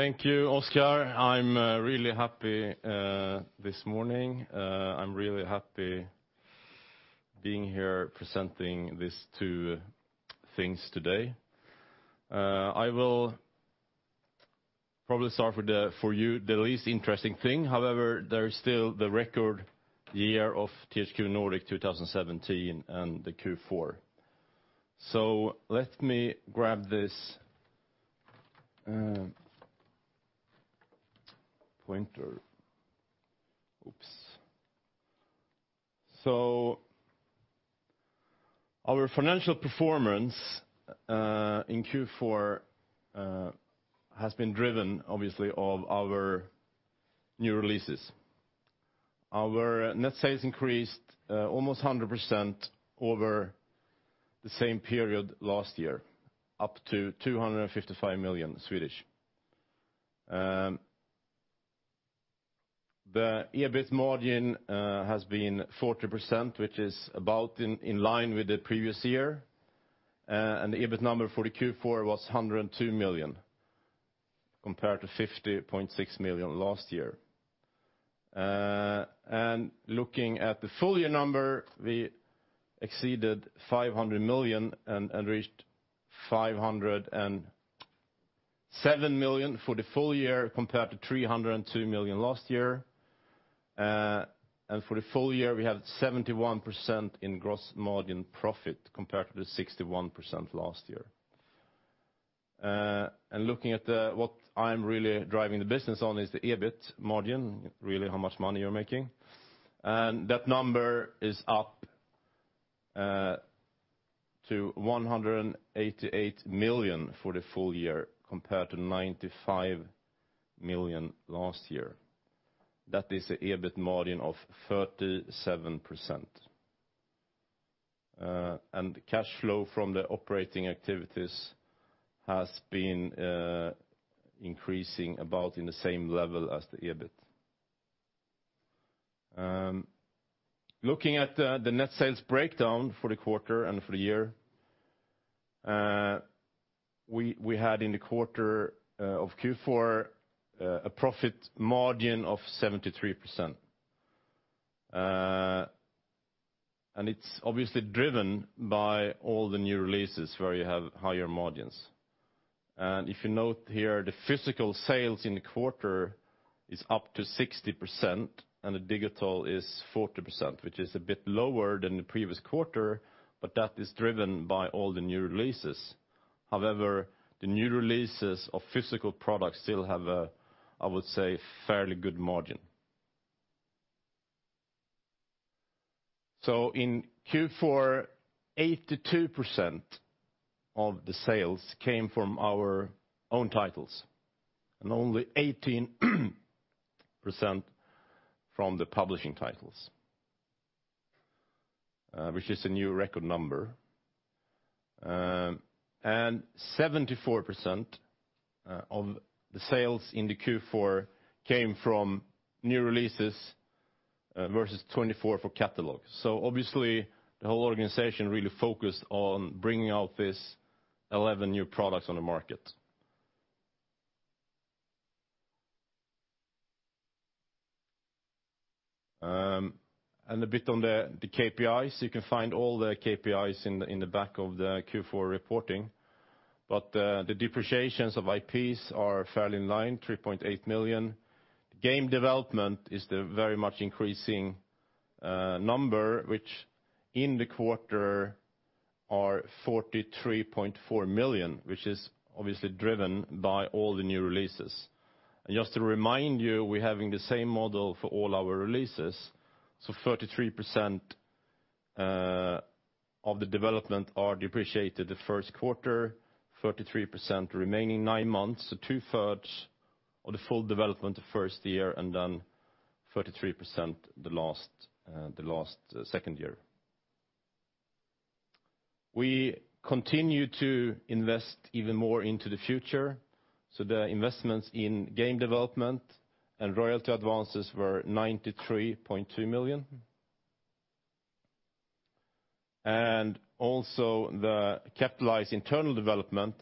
Thank you, Oscar. I'm really happy this morning. I'm really happy being here presenting these two things today. I will probably start with, for you, the least interesting thing. There is still the record year of THQ Nordic 2017 and the Q4. Let me grab this pointer. Oops. Our financial performance in Q4 has been driven, obviously, of our new releases. Our net sales increased almost 100% over the same period last year, up to 255 million. The EBIT margin has been 40%, which is about in line with the previous year, and the EBIT number for the Q4 was 102 million compared to 50.6 million last year. Looking at the full year number, we exceeded 500 million and reached 507 million for the full year compared to 302 million last year. For the full year, we have 71% in gross margin profit compared to the 61% last year. Looking at what I'm really driving the business on is the EBIT margin, really how much money you're making. That number is up to 188 million for the full year compared to 95 million last year. That is an EBIT margin of 37%. Cash flow from the operating activities has been increasing about in the same level as the EBIT. Looking at the net sales breakdown for the quarter and for the year, we had in the quarter of Q4 a profit margin of 73%. It's obviously driven by all the new releases where you have higher margins. If you note here, the physical sales in the quarter is up to 60% and the digital is 40%, which is a bit lower than the previous quarter, but that is driven by all the new releases. The new releases of physical products still have a, I would say, fairly good margin. In Q4, 82% of the sales came from our own titles and only 18% from the publishing titles, which is a new record number. 74% of the sales in the Q4 came from new releases versus 24% for catalog. Obviously, the whole organization really focused on bringing out these 11 new products on the market. A bit on the KPIs. You can find all the KPIs in the back of the Q4 reporting. The depreciations of IPs are fairly in line, 3.8 million. Game development is the very much increasing number, which in the quarter are 43.4 million, which is obviously driven by all the new releases. Just to remind you, we're having the same model for all our releases. 33% of the development are depreciated the first quarter, 33% remaining nine months, so two-thirds of the full development the first year, and then 33% the last second year. We continue to invest even more into the future. The investments in game development and royalty advances were 93.2 million. Also the capitalized internal development,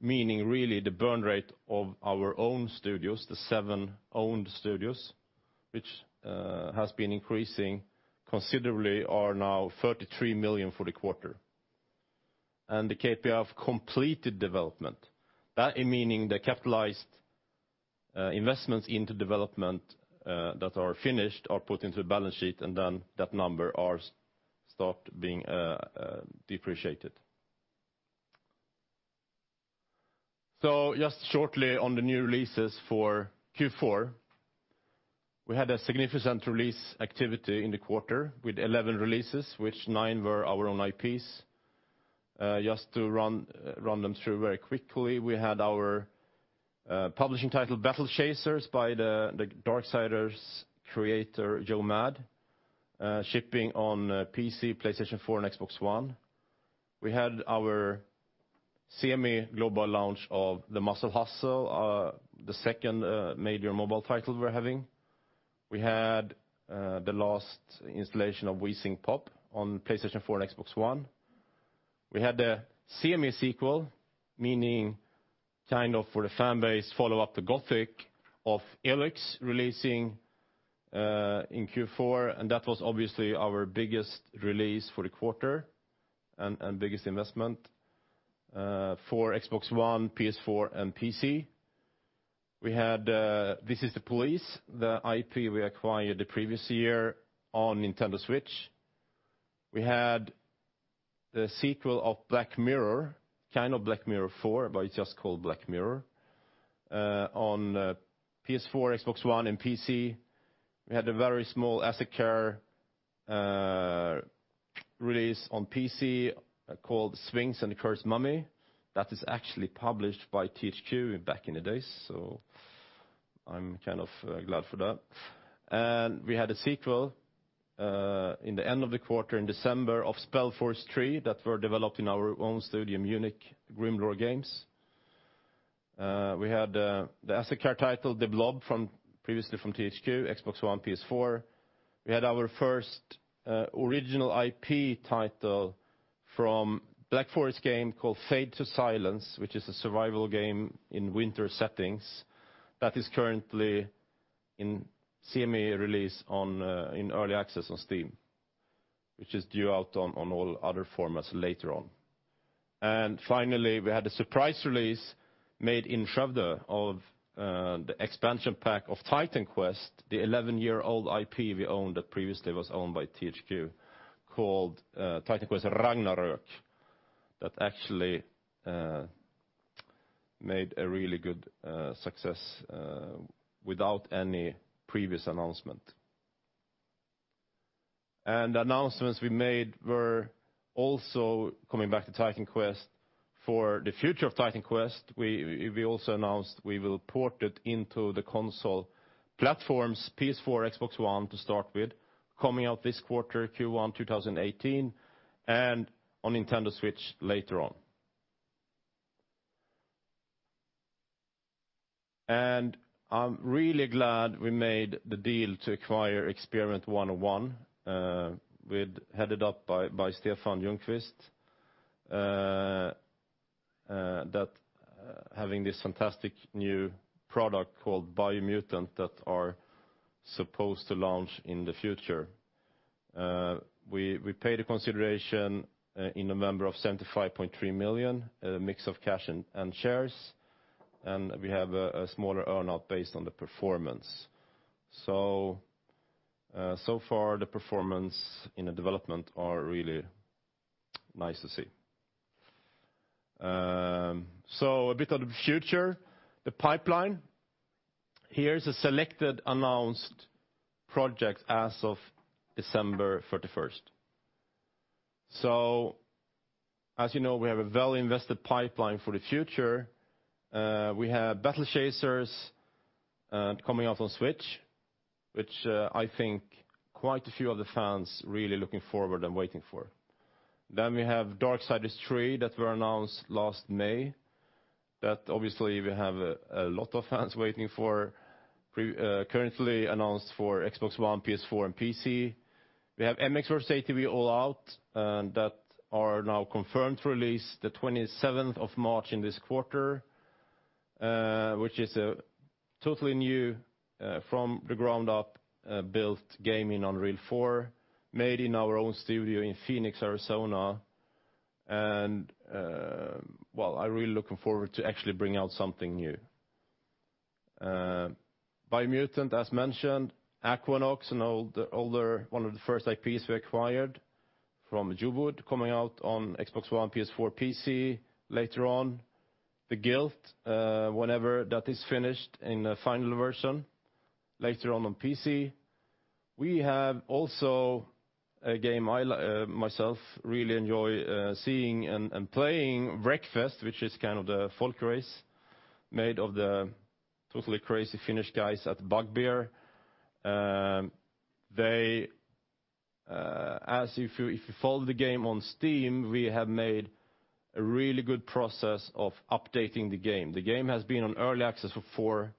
meaning really the burn rate of our own studios, the seven owned studios, which has been increasing considerably, are now 33 million for the quarter. The KPI of completed development, meaning the capitalized investments into development that are finished are put into the balance sheet, and then that number are stopped being depreciated. Just shortly on the new releases for Q4, we had a significant release activity in the quarter with 11 releases, which nine were our own IPs. Just to run them through very quickly, we had our publishing title *Battle Chasers* by the *Darksiders* creator Joe Mad, shipping on PC, PlayStation 4, and Xbox One. We had our semi-global launch of *The Muscle Hustle*, the second major mobile title we're having. We had the last installation of *We Sing Pop* on PlayStation 4 and Xbox One. We had the sequel, meaning for the fan base follow up the *Gothic* of *ELEX* releasing in Q4, and that was obviously our biggest release for the quarter and biggest investment for Xbox One, PS4, and PC. We had *This Is the Police*, the IP we acquired the previous year on Nintendo Switch. We had the sequel of *Black Mirror*, kind of *Black Mirror 4*, but it's just called *Black Mirror*, on PS4, Xbox One, and PC. We had a very small asset care release on PC called *Sphinx and the Cursed Mummy* that is actually published by THQ Inc. back in the days. I'm glad for that. We had a sequel in the end of the quarter in December of *SpellForce 3* that were developed in our own studio, Munich, Grimlore Games. We had the asset care title, *de Blob*, previously from THQ Inc., Xbox One, PS4. We had our first original IP title from Black Forest Games called *Fade to Silence*, which is a survival game in winter settings that is currently in the release in Early Access on Steam, which is due out on all other formats later on. Finally, we had a surprise release made in Skövde of the expansion pack of *Titan Quest*, the 11-year-old IP we own that previously was owned by THQ Inc., called *Titan Quest: Ragnarök* that actually made a really good success without any previous announcement. Announcements we made were also coming back to *Titan Quest*. For the future of *Titan Quest*, we also announced we will port it into the console platforms, PS4, Xbox One to start with, coming out this quarter, Q1 2018, and on Nintendo Switch later on. I'm really glad we made the deal to acquire Experiment 101, headed up by Stefan Ljungqvist, that having this fantastic new product called *BIOMUTANT* that are supposed to launch in the future. We paid a consideration in November of 75.3 million, a mix of cash and shares, and we have a smaller earn-out based on the performance. Far the performance in the development are really nice to see. A bit of the future, the pipeline. Here is a selected announced project as of December 31st. As you know, we have a well-invested pipeline for the future. We have *Battle Chasers* coming out on Switch, which I think quite a few of the fans really looking forward and waiting for. We have *Darksiders III* that were announced last May that obviously we have a lot of fans waiting for, currently announced for Xbox One, PS4, and PC. We have *MX vs ATV All Out*, that are now confirmed for release the 27th of March in this quarter, which is a totally new, from the ground up built gaming on Unreal 4, made in our own studio in Phoenix, Arizona. Well, I'm really looking forward to actually bring out something new. BIOMUTANT, as mentioned, AquaNox, an older, one of the first IPs we acquired from JoWooD, coming out on Xbox One, PS4, PC later on. The Guild, whenever that is finished in the final version, later on on PC. We have also a game I myself really enjoy seeing and playing, Wreckfest, which is kind of the folk race made of the totally crazy Finnish guys at Bugbear. If you follow the game on Steam, we have made a really good process of updating the game. The game has been on Early Access for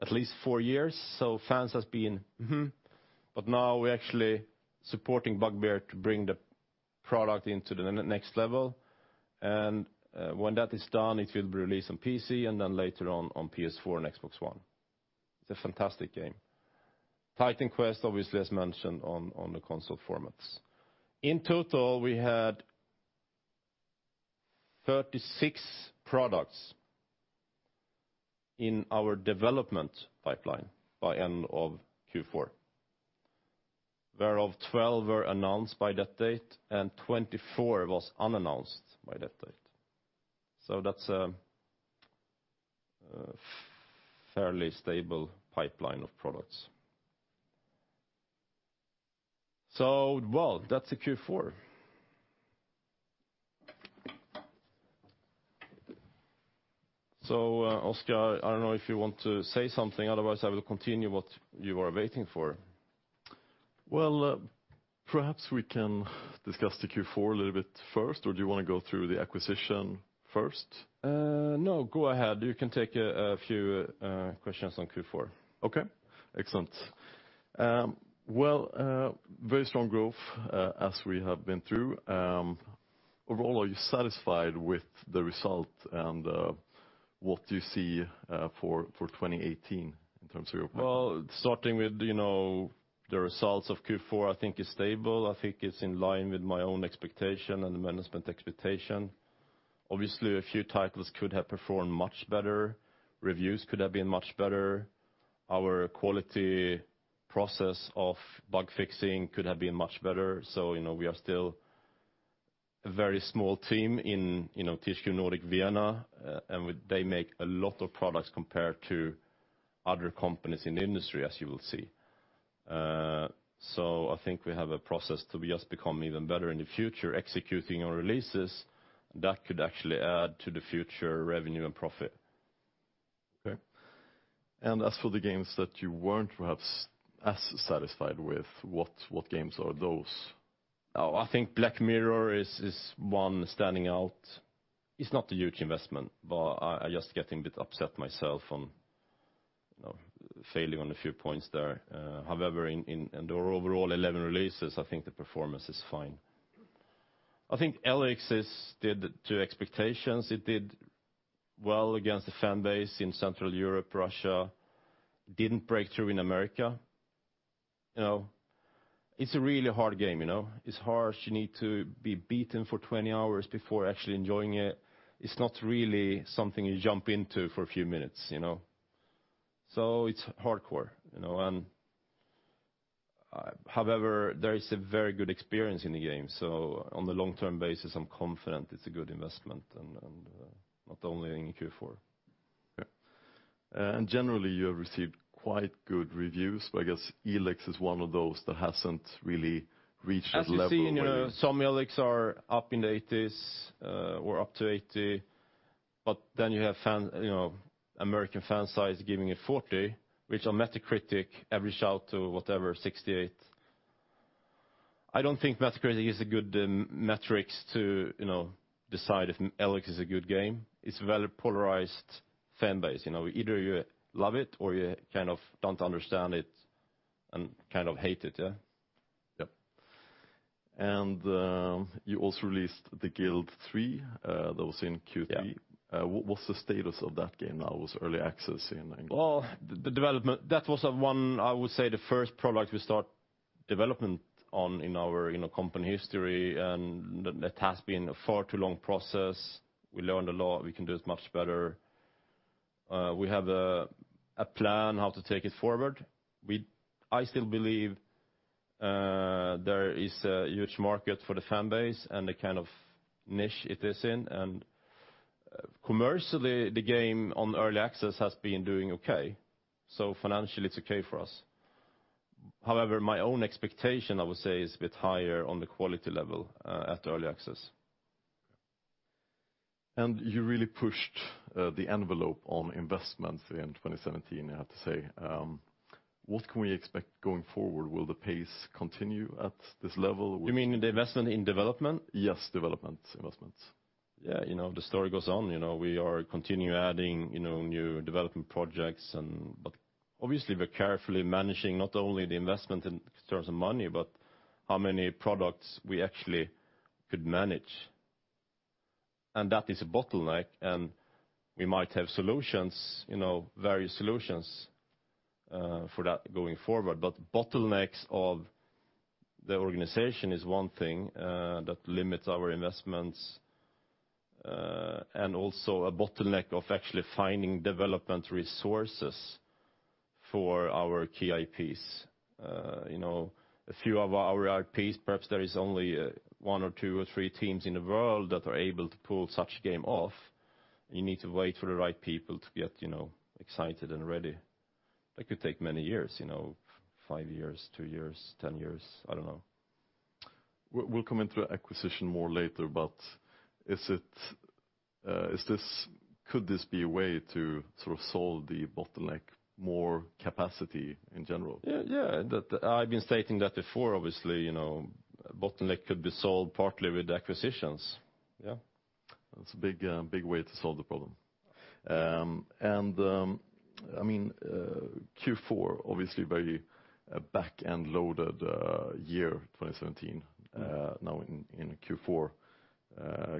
at least four years, so fans has been. Now we're actually supporting Bugbear to bring the product into the next level. When that is done, it will be released on PC and then later on on PS4 and Xbox One. It's a fantastic game. Titan Quest, obviously as mentioned, on the console formats. In total, we had 36 products in our development pipeline by end of Q4, whereof 12 were announced by that date, and 24 was unannounced by that date. That's a fairly stable pipeline of products. Well, that's the Q4. Oscar, I don't know if you want to say something. Otherwise, I will continue what you are waiting for. Well, perhaps we can discuss the Q4 a little bit first, or do you want to go through the acquisition first? No, go ahead. You can take a few questions on Q4. Okay, excellent. Well, very strong growth as we have been through. Overall, are you satisfied with the result and what do you see for 2018 in terms of your pipeline? Well, starting with the results of Q4, I think it's stable. I think it's in line with my own expectation and the management expectation. Obviously, a few titles could have performed much better. Reviews could have been much better. Our quality process of bug fixing could have been much better. We are still a very small team in THQ Nordic Vienna, and they make a lot of products compared to other companies in the industry, as you will see. I think we have a process to just become even better in the future, executing our releases. That could actually add to the future revenue and profit. Okay. As for the games that you weren't perhaps as satisfied with, what games are those? Oh, I think "Black Mirror" is one standing out. It's not a huge investment, but I'm just getting a bit upset myself on failing on a few points there. However, in the overall 11 releases, I think the performance is fine. I think "ELEX" did to expectations. It did well against the fan base in Central Europe, Russia. Didn't break through in America. It's a really hard game. It's harsh. You need to be beaten for 20 hours before actually enjoying it. It's not really something you jump into for a few minutes. It's hardcore. However, there is a very good experience in the game. On the long-term basis, I'm confident it's a good investment, and not only in Q4. Yeah. Generally, you have received quite good reviews. I guess ELEX is one of those that hasn't really reached that level where you. As you've seen, some ELEX are up in the 80s, or up to 80. Then you have American fan sites giving it 40, which on Metacritic average out to, whatever, 68. I don't think Metacritic is a good metric to decide if ELEX is a good game. It's a very polarized fan base. Either you love it or you kind of don't understand it and kind of hate it, yeah? Yep. You also released The Guild 3, that was in Q3. Yeah. What's the status of that game now? It's Early Access in England. Well, the development, that was one, I would say, the first product we start development on in our company history. That has been a far too long process. We learned a lot. We can do it much better. We have a plan how to take it forward. I still believe there is a huge market for the fan base and the kind of niche it is in, and commercially, the game on Early Access has been doing okay. Financially, it's okay for us. However, my own expectation, I would say, is a bit higher on the quality level at Early Access. You really pushed the envelope on investments in 2017, I have to say. What can we expect going forward? Will the pace continue at this level? You mean the investment in development? Yes, development investments. The story goes on. We are continue adding new development projects, obviously we're carefully managing not only the investment in terms of money, but how many products we actually could manage. That is a bottleneck, we might have solutions, various solutions for that going forward. Bottlenecks of the organization is one thing that limits our investments. Also a bottleneck of actually finding development resources for our key IPs. A few of our IPs, perhaps there is only one or two or three teams in the world that are able to pull such a game off. You need to wait for the right people to get excited and ready. That could take many years, five years, two years, 10 years. I don't know. We'll come into acquisition more later, could this be a way to sort of solve the bottleneck, more capacity in general? I've been stating that before, obviously, bottleneck could be solved partly with acquisitions. That's a big way to solve the problem. Q4, obviously very backend loaded year 2017. Now in Q4,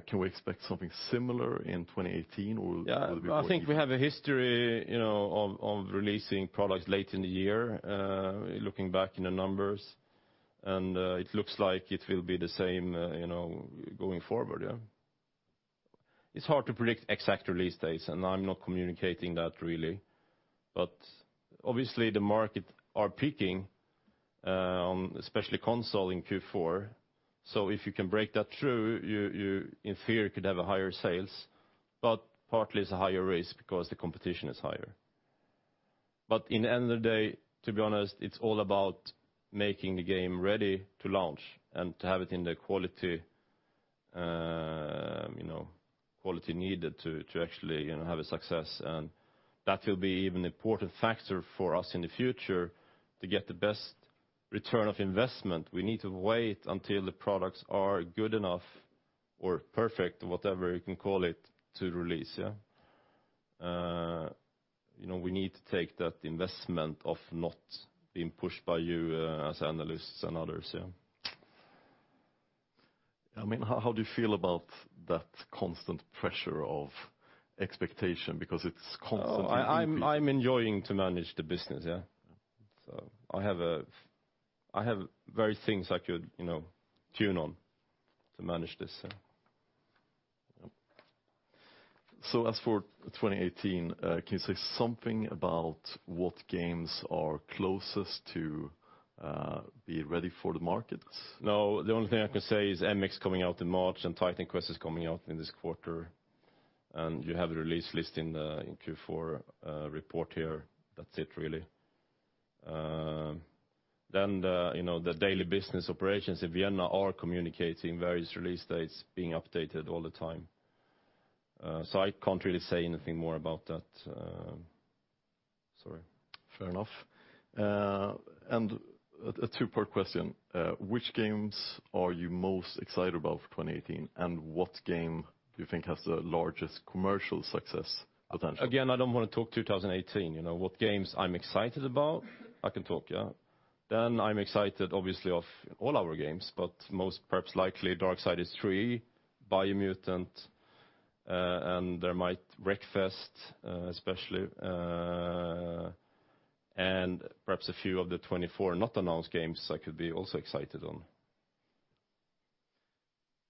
can we expect something similar in 2018, or will it be quite different? Yeah. I think we have a history of releasing products late in the year, looking back in the numbers, it looks like it will be the same going forward, yeah. It's hard to predict exact release dates, I'm not communicating that really. Obviously the market are peaking on especially console in Q4. If you can break that through, you in theory could have a higher sales, but partly it's a higher risk because the competition is higher. In the end of the day, to be honest, it's all about making the game ready to launch and to have it in the quality needed to actually have a success, and that will be an even important factor for us in the future to get the best return on investment. We need to wait until the products are good enough or perfect, whatever you can call it, to release. We need to take that investment of not being pushed by you as analysts and others. How do you feel about that constant pressure of expectation? I'm enjoying managing the business. I have various things I could tune on to manage this. As for 2018, can you say something about what games are closest to being ready for the markets? No. The only thing I can say is "MX" is coming out in March. "Titan Quest" is coming out in this quarter. You have the release list in the Q4 report here. That's it, really. The daily business operations in Vienna are communicating various release dates being updated all the time. I can't really say anything more about that. Sorry. Fair enough. A two-part question. Which games are you most excited about for 2018, and what game do you think has the largest commercial success potential? Again, I don't want to talk 2018. What games I'm excited about, I can talk, yeah. I'm excited obviously for all our games, but most perhaps likely "Darksiders III," "BIOMUTANT," and "Wreckfest" especially, and perhaps a few of the 24 not announced games I could be also excited about.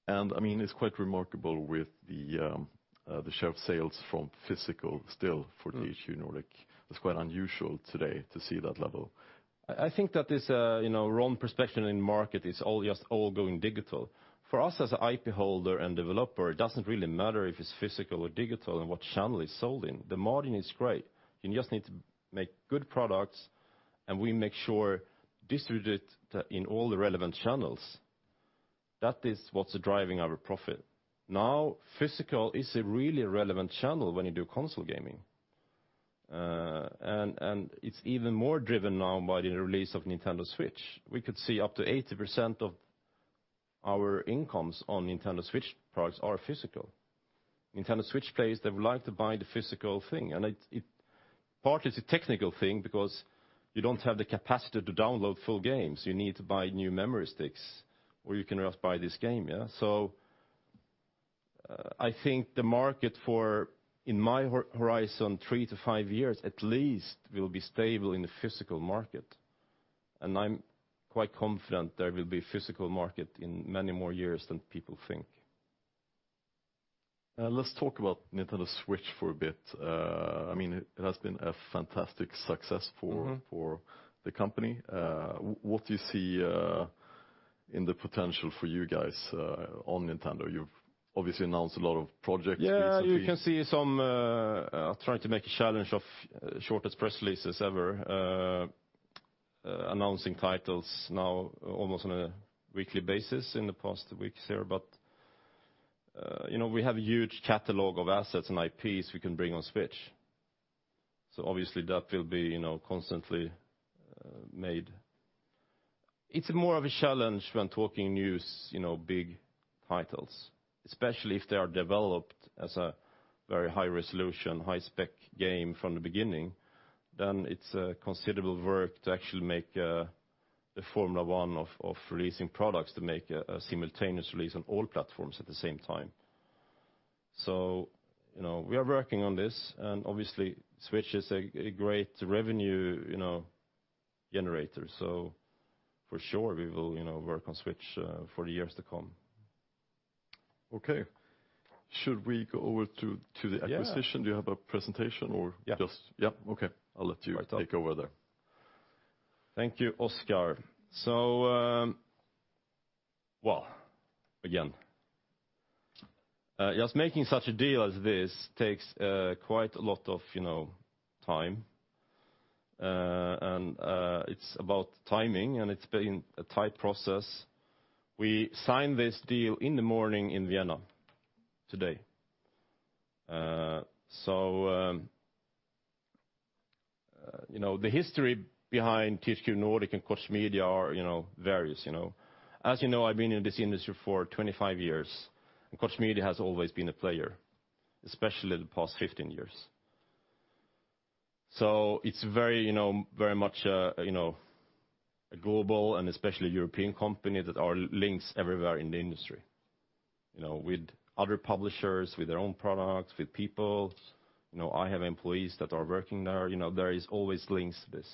It's quite remarkable with the sharp sales from physical still for THQ Nordic. It's quite unusual today to see that level. I think that there's a wrong perception in the market that it's all just going digital. For us as an IP holder and developer, it doesn't really matter if it's physical or digital and what channel it's sold in. The margin is great. You just need to make good products, and we make sure to distribute in all the relevant channels. That is what's driving our profit. Now, physical is a really relevant channel when you do console gaming. It's even more driven now by the release of Nintendo Switch. We could see up to 80% of our incomes on Nintendo Switch products are physical. Nintendo Switch players, they would like to buy the physical thing. Partly it's a technical thing because you don't have the capacity to download full games. You need to buy new memory sticks, or you can just buy this game. I think the market for, in my horizon, three to five years at least will be stable in the physical market, I'm quite confident there will be a physical market in many more years than people think. Let's talk about Nintendo Switch for a bit. It has been a fantastic success for the company. What do you see in the potential for you guys on Nintendo? You've obviously announced a lot of projects recently. Yeah, you can see some are trying to make a challenge of shortest press releases ever, announcing titles now almost on a weekly basis in the past weeks here. We have a huge catalog of assets and IPs we can bring on Switch. Obviously that will be constantly made. It's more of a challenge when talking news, big titles, especially if they are developed as a very high-resolution, high-spec game from the beginning. It's a considerable work to actually make the Formula One of releasing products to make a simultaneous release on all platforms at the same time. We are working on this, obviously Switch is a great revenue generator, for sure we will work on Switch for the years to come. Okay. Should we go over to the acquisition? Yeah. Do you have a presentation or just- Yeah. Okay. I'll let you take over there. Thank you, Oscar. Just making such a deal as this takes quite a lot of time, and it's about timing, and it's been a tight process. We signed this deal in the morning in Vienna today. The history behind THQ Nordic and Koch Media are various. As you know, I've been in this industry for 25 years, and Koch Media has always been a player, especially the past 15 years. It's very much a global and especially European company that are linked everywhere in the industry, with other publishers, with their own products, with people. I have employees that are working there. There is always links to this.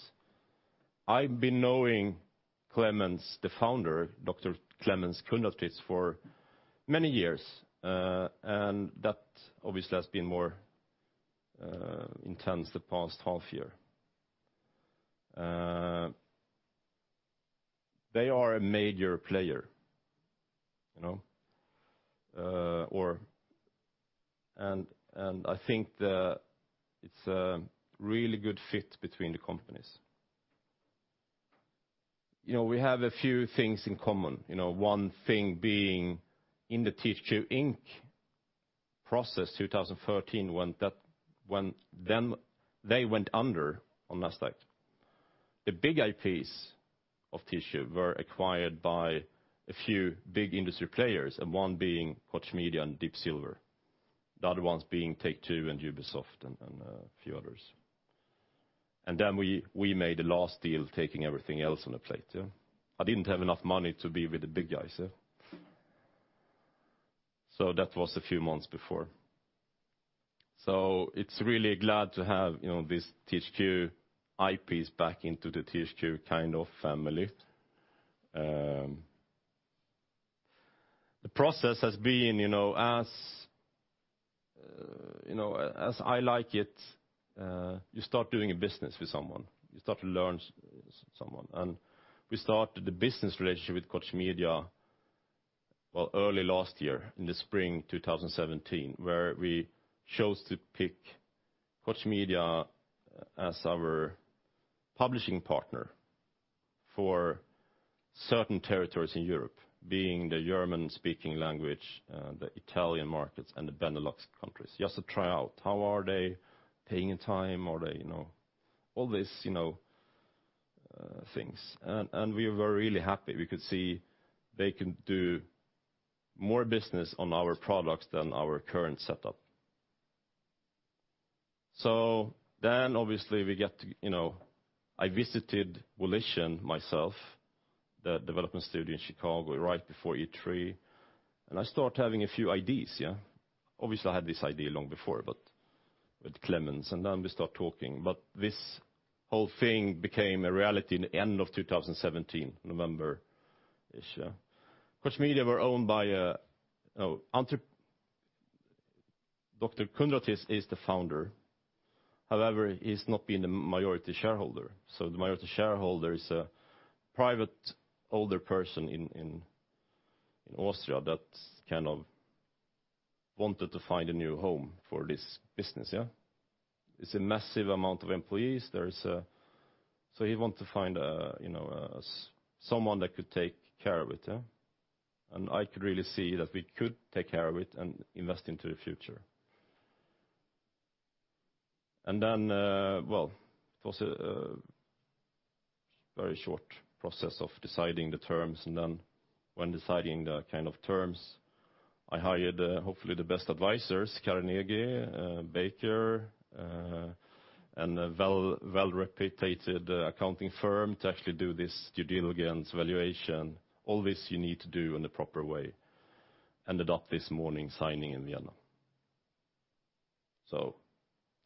I've known Klemens, the founder, Dr. Klemens Kundratitz, for many years. That obviously has been more intense the past half year. They are a major player. I think it's a really good fit between the companies. We have a few things in common. One thing being in the THQ Inc. process 2013 when they went under on Nasdaq. The big IPs of THQ were acquired by a few big industry players, one being Koch Media and Deep Silver, the other ones being Take-Two and Ubisoft, and a few others. We made a last deal taking everything else on the plate too. I didn't have enough money to be with the big guys. That was a few months before. It's really glad to have this THQ IP back into the THQ kind of family. The process has been as I like it, you start doing a business with someone, you start to learn someone. We started the business relationship with Koch Media early last year in the spring 2017, where we chose to pick Koch Media as our publishing partner for certain territories in Europe, being the German-speaking language, the Italian markets, and the Benelux countries. Just to try out how are they, paying in time, all these things. We were really happy. We could see they can do more business on our products than our current setup. Obviously I visited Volition myself, the development studio in Chicago, right before E3, I start having a few ideas. Obviously, I had this idea long before, with Klemens, we start talking. This whole thing became a reality in the end of 2017, November-ish. Koch Media were owned by Dr. Klemens Kundratitz is the founder. However, he's not been the majority shareholder. The majority shareholder is a private older person in Austria that kind of wanted to find a new home for this business. It's a massive amount of employees. He want to find someone that could take care of it. I could really see that we could take care of it and invest into the future. It was a very short process of deciding the terms. When deciding the kind of terms, I hired hopefully the best advisors, Carnegie, Baker, and a well-reputated accounting firm to actually do this due diligence valuation. All this you need to do in the proper way. Ended up this morning signing in Vienna.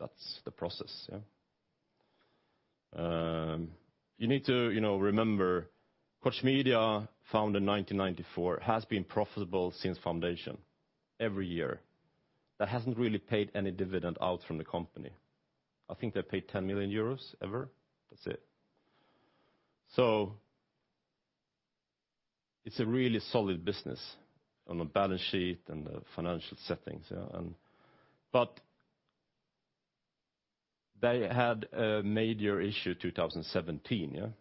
That's the process. You need to remember, Koch Media, founded in 1994, has been profitable since foundation, every year, but hasn't really paid any dividend out from the company. I think they paid 10 million euros ever. That's it. It's a really solid business on the balance sheet and the financial settings. They had a major issue 2017.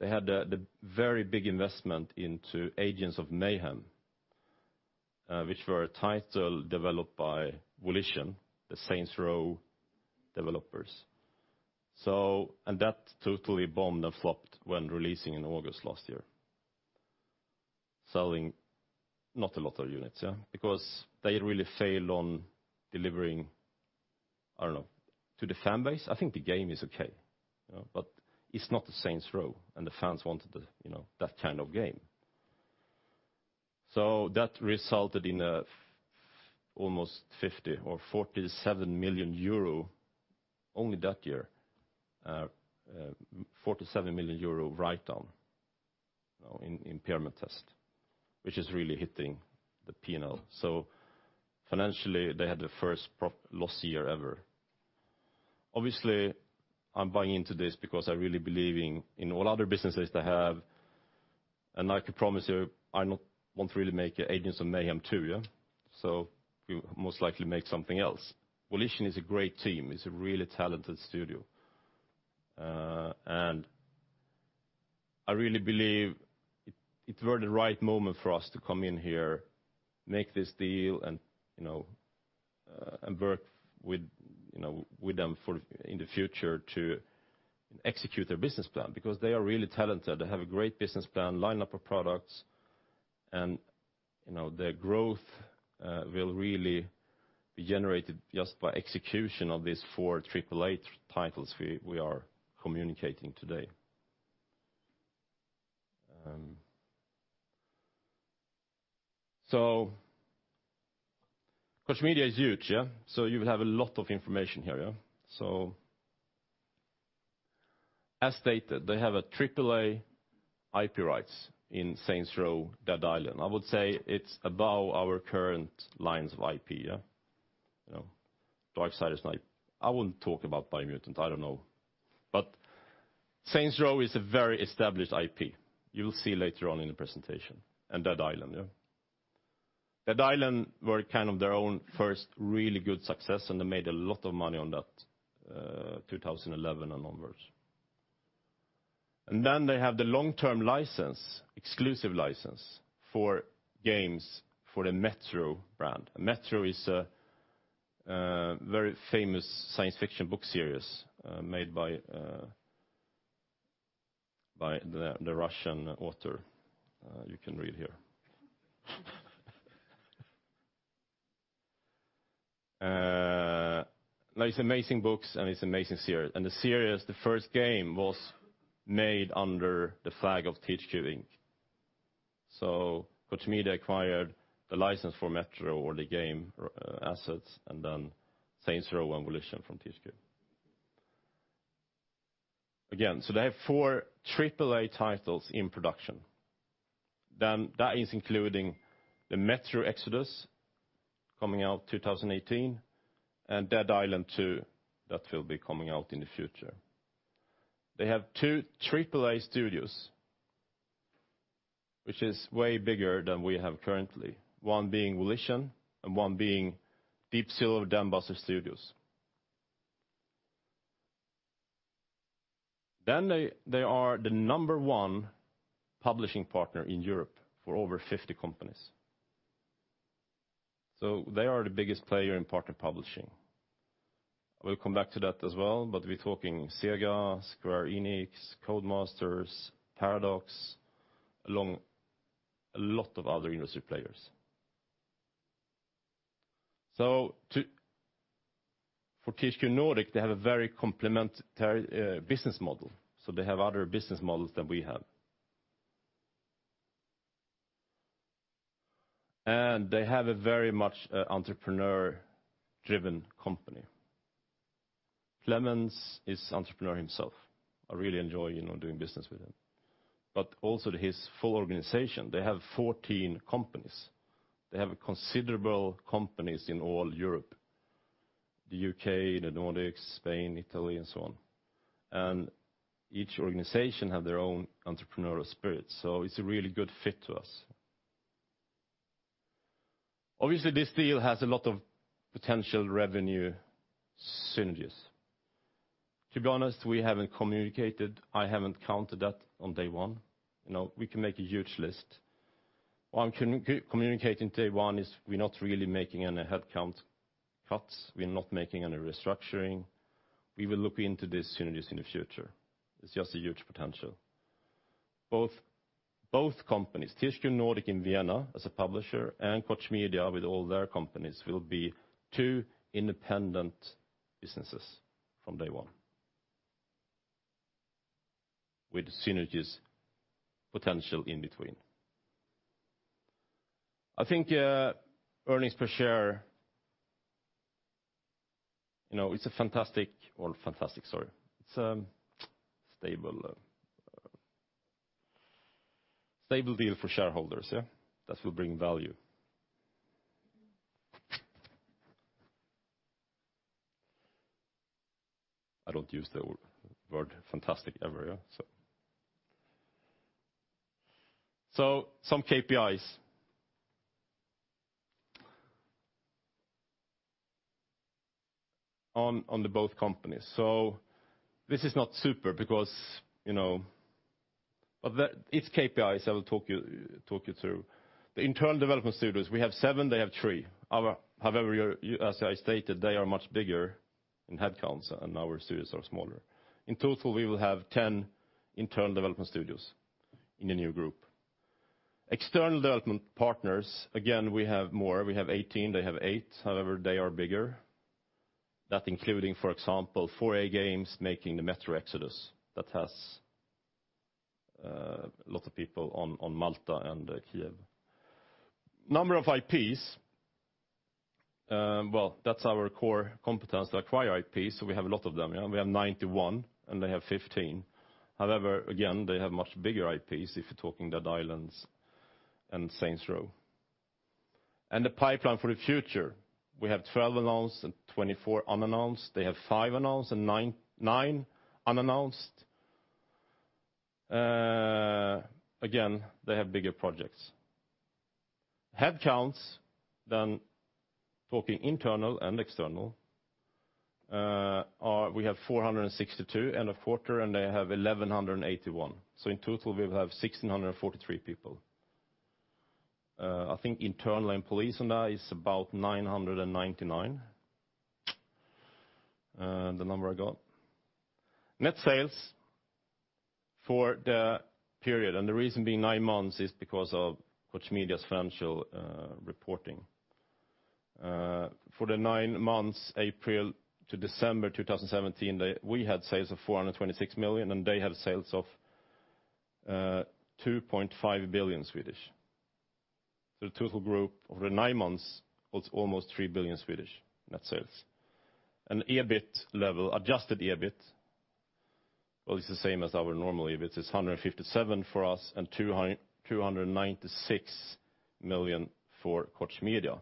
They had the very big investment into "Agents of Mayhem," which were a title developed by Volition, the "Saints Row" developers. That totally bombed and flopped when releasing in August last year, selling not a lot of units. They really failed on delivering, I don't know, to the fan base. I think the game is okay, but it's not the "Saints Row" and the fans wanted that kind of game. That resulted in almost 50 or 47 million euro, only that year, 47 million euro write-down, impairment test, which is really hitting the P&L. Financially, they had the first loss year ever. Obviously, I'm buying into this because I really believe in all other businesses they have, and I can promise you, I won't really make "Agents of Mayhem 2." We most likely make something else. Volition is a great team. It's a really talented studio. I really believe it were the right moment for us to come in here, make this deal, and work with them in the future to execute their business plan because they are really talented. They have a great business plan, lineup of products, and their growth will really be generated just by execution of these four AAA titles we are communicating today. Koch Media is huge. You will have a lot of information here. As stated, they have AAA IP rights in "Saints Row," "Dead Island." I would say it's above our current lines of IP. "Darksiders" might. I wouldn't talk about "BIOMUTANT," I don't know. "Saints Row" is a very established IP. You will see later on in the presentation. "Dead Island." "Dead Island" were their own first really good success, and they made a lot of money on that, 2011 onwards. They have the long-term exclusive license for games for the "Metro" brand. "Metro" is a very famous science fiction book series made by the Russian author you can read here. Nice, amazing books, and it's an amazing series. The first game was made under the flag of THQ Inc. Koch Media acquired the license for "Metro" or the game assets, and then "Saints Row" and Volition from THQ. Again, they have four AAA titles in production. That is including the "Metro Exodus" coming out 2018 and "Dead Island 2," that will be coming out in the future. They have two AAA studios, which is way bigger than we have currently, one being Volition and one being Deep Silver Dambuster Studios. They are the number one publishing partner in Europe for over 50 companies. They are the biggest player in partner publishing. We'll come back to that as well, but we're talking SEGA, Square Enix, Codemasters, Paradox, along a lot of other industry players. For THQ Nordic, they have a very complementary business model, so they have other business models than we have. They have a very much entrepreneur-driven company. Klemens is entrepreneur himself. I really enjoy doing business with him. Also his full organization, they have 14 companies. They have considerable companies in all Europe, the U.K., the Nordics, Spain, Italy, and so on. Each organization have their own entrepreneurial spirit, it's a really good fit to us. Obviously, this deal has a lot of potential revenue synergies. To be honest, we haven't communicated. I haven't counted that on day one. We can make a huge list. What I'm communicating day one is we're not really making any headcount cuts. We're not making any restructuring. We will look into these synergies in the future. It's just a huge potential. Both companies, THQ Nordic in Vienna as a publisher, and Koch Media with all their companies, will be two independent businesses from day one with synergies potential in between. I think earnings per share, it's a stable deal for shareholders, that will bring value. I don't use the word fantastic ever. Some KPIs on both companies. This is not super, but it's KPIs that I will talk you through. The internal development studios, we have seven, they have three. As I stated, they are much bigger in headcounts, and our studios are smaller. In total, we will have 10 internal development studios in the new group. External development partners, again, we have more. We have 18, they have eight. They are bigger. That including, for example, 4A Games making the "Metro Exodus" that has lots of people on Malta and Kyiv. Number of IPs. That's our core competence to acquire IPs, so we have a lot of them. We have 91, and they have 15. Again, they have much bigger IPs if you're talking "Dead Island" and "Saints Row." The pipeline for the future, we have 12 announced and 24 unannounced. They have five announced and nine unannounced. Again, they have bigger projects. Headcounts, talking internal and external, we have 462 end of quarter, and they have 1,181. In total, we will have 1,643 people. I think internal employees on that is about 999. The number I got. Net sales for the period, and the reason being nine months is because of Koch Media's financial reporting. For the nine months, April to December 2017, we had sales of 426 million, and they have sales of 2.5 billion. The total group over the nine months was almost 3 billion net sales. EBIT level, adjusted EBIT, well, it's the same as our normal EBIT. It's 157 million for us and 296 million for Koch Media.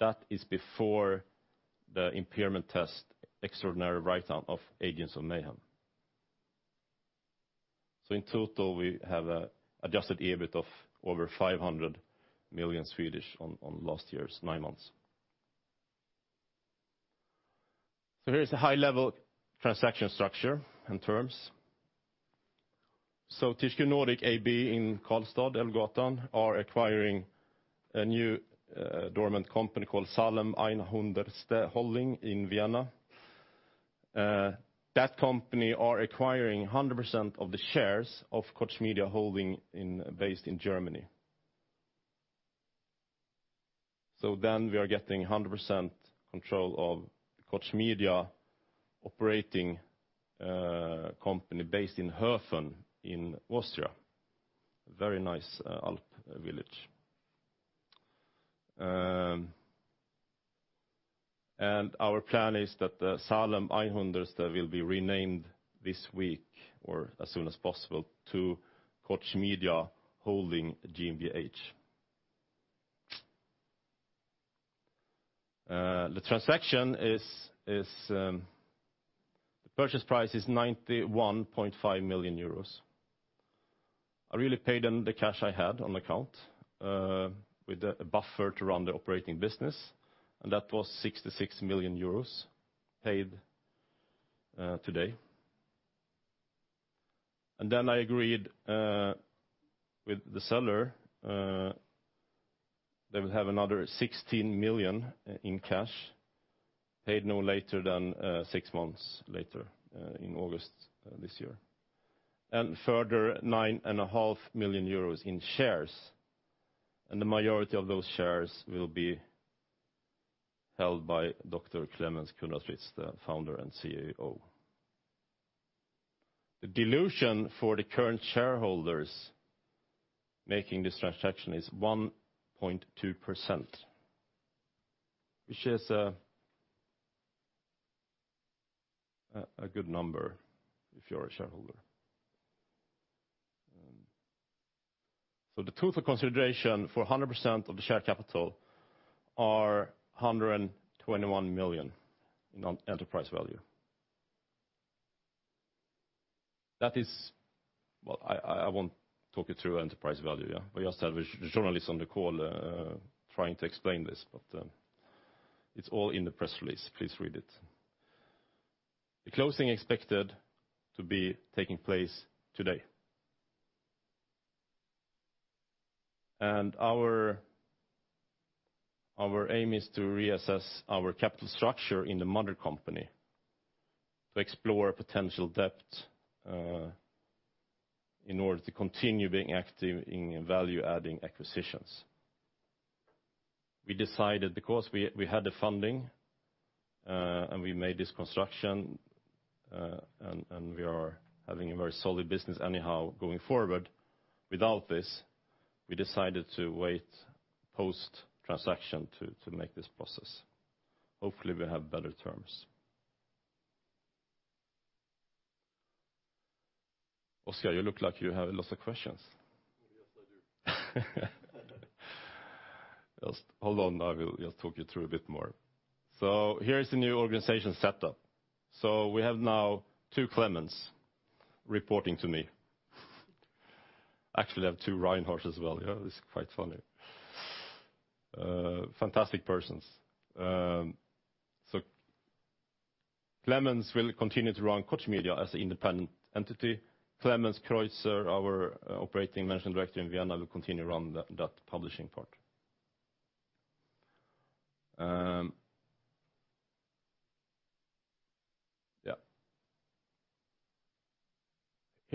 That is before the impairment test, extraordinary write-down of "Agents of Mayhem." In total, we have an adjusted EBIT of over 500 million on last year's nine months. Here's the high-level transaction structure and terms. THQ Nordic AB in Karlstad, Elmgatan, are acquiring a new dormant company called SALEM 100 Holding in Vienna. That company is acquiring 100% of the shares of Koch Media Holding based in Germany. We are getting 100% control of Koch Media operating company based in Höfen in Austria, a very nice Alp village. Our plan is that SALEM 100 will be renamed this week or as soon as possible to Koch Media Holding GmbH. The purchase price is 91.5 million euros. I really paid them the cash I had on account with a buffer to run the operating business, and that was 66 million euros paid today. I agreed with the seller they would have another 16 million in cash paid no later than six months later in August this year. Further nine and a half million EUR in shares, the majority of those shares will be held by Dr. Klemens Kundratitz, the founder and CEO. The dilution for the current shareholders making this transaction is 1.2%, which is a good number if you're a shareholder. The total consideration for 100% of the share capital is 121 million in enterprise value. I won't talk you through enterprise value. We just have a journalist on the call trying to explain this, but it's all in the press release. Please read it. The closing is expected to be taking place today. Our aim is to reassess our capital structure in the mother company to explore potential debt in order to continue being active in value-adding acquisitions. We decided because we had the funding and we made this construction and we are having a very solid business anyhow going forward without this, we decided to wait post-transaction to make this process. Hopefully, we have better terms. Oscar, you look like you have lots of questions. Yes, I do. Just hold on. I will just talk you through a bit more. Here is the new organization setup. We have now two Klemens reporting to me. Actually, I have two Reinhards as well. Yeah, this is quite funny. Fantastic persons. Klemens will continue to run Koch Media as an independent entity. Klemens Kreuzer, our operating managing director in Vienna, will continue to run that publishing part.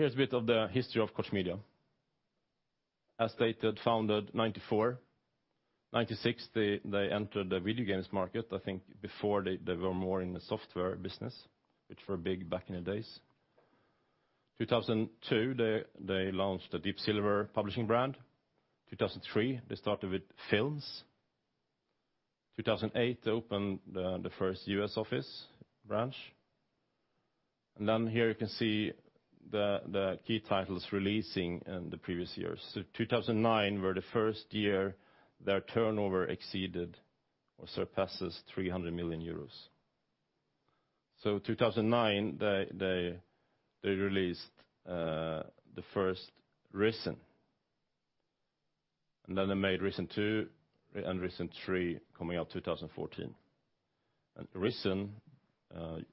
Here's a bit of the history of Koch Media. As stated, founded in 1994. 1996 they entered the video games market. I think before they were more in the software business, which were big back in the days. 2002, they launched the Deep Silver publishing brand. 2003, they started with films. 2008, they opened the first U.S. office branch. Then here you can see the key titles releasing in the previous years. 2009 was the first year their turnover exceeded or surpasses 300 million euros. 2009, they released the first "Risen." Then they made "Risen 2" and "Risen 3" coming out 2014. "Risen,"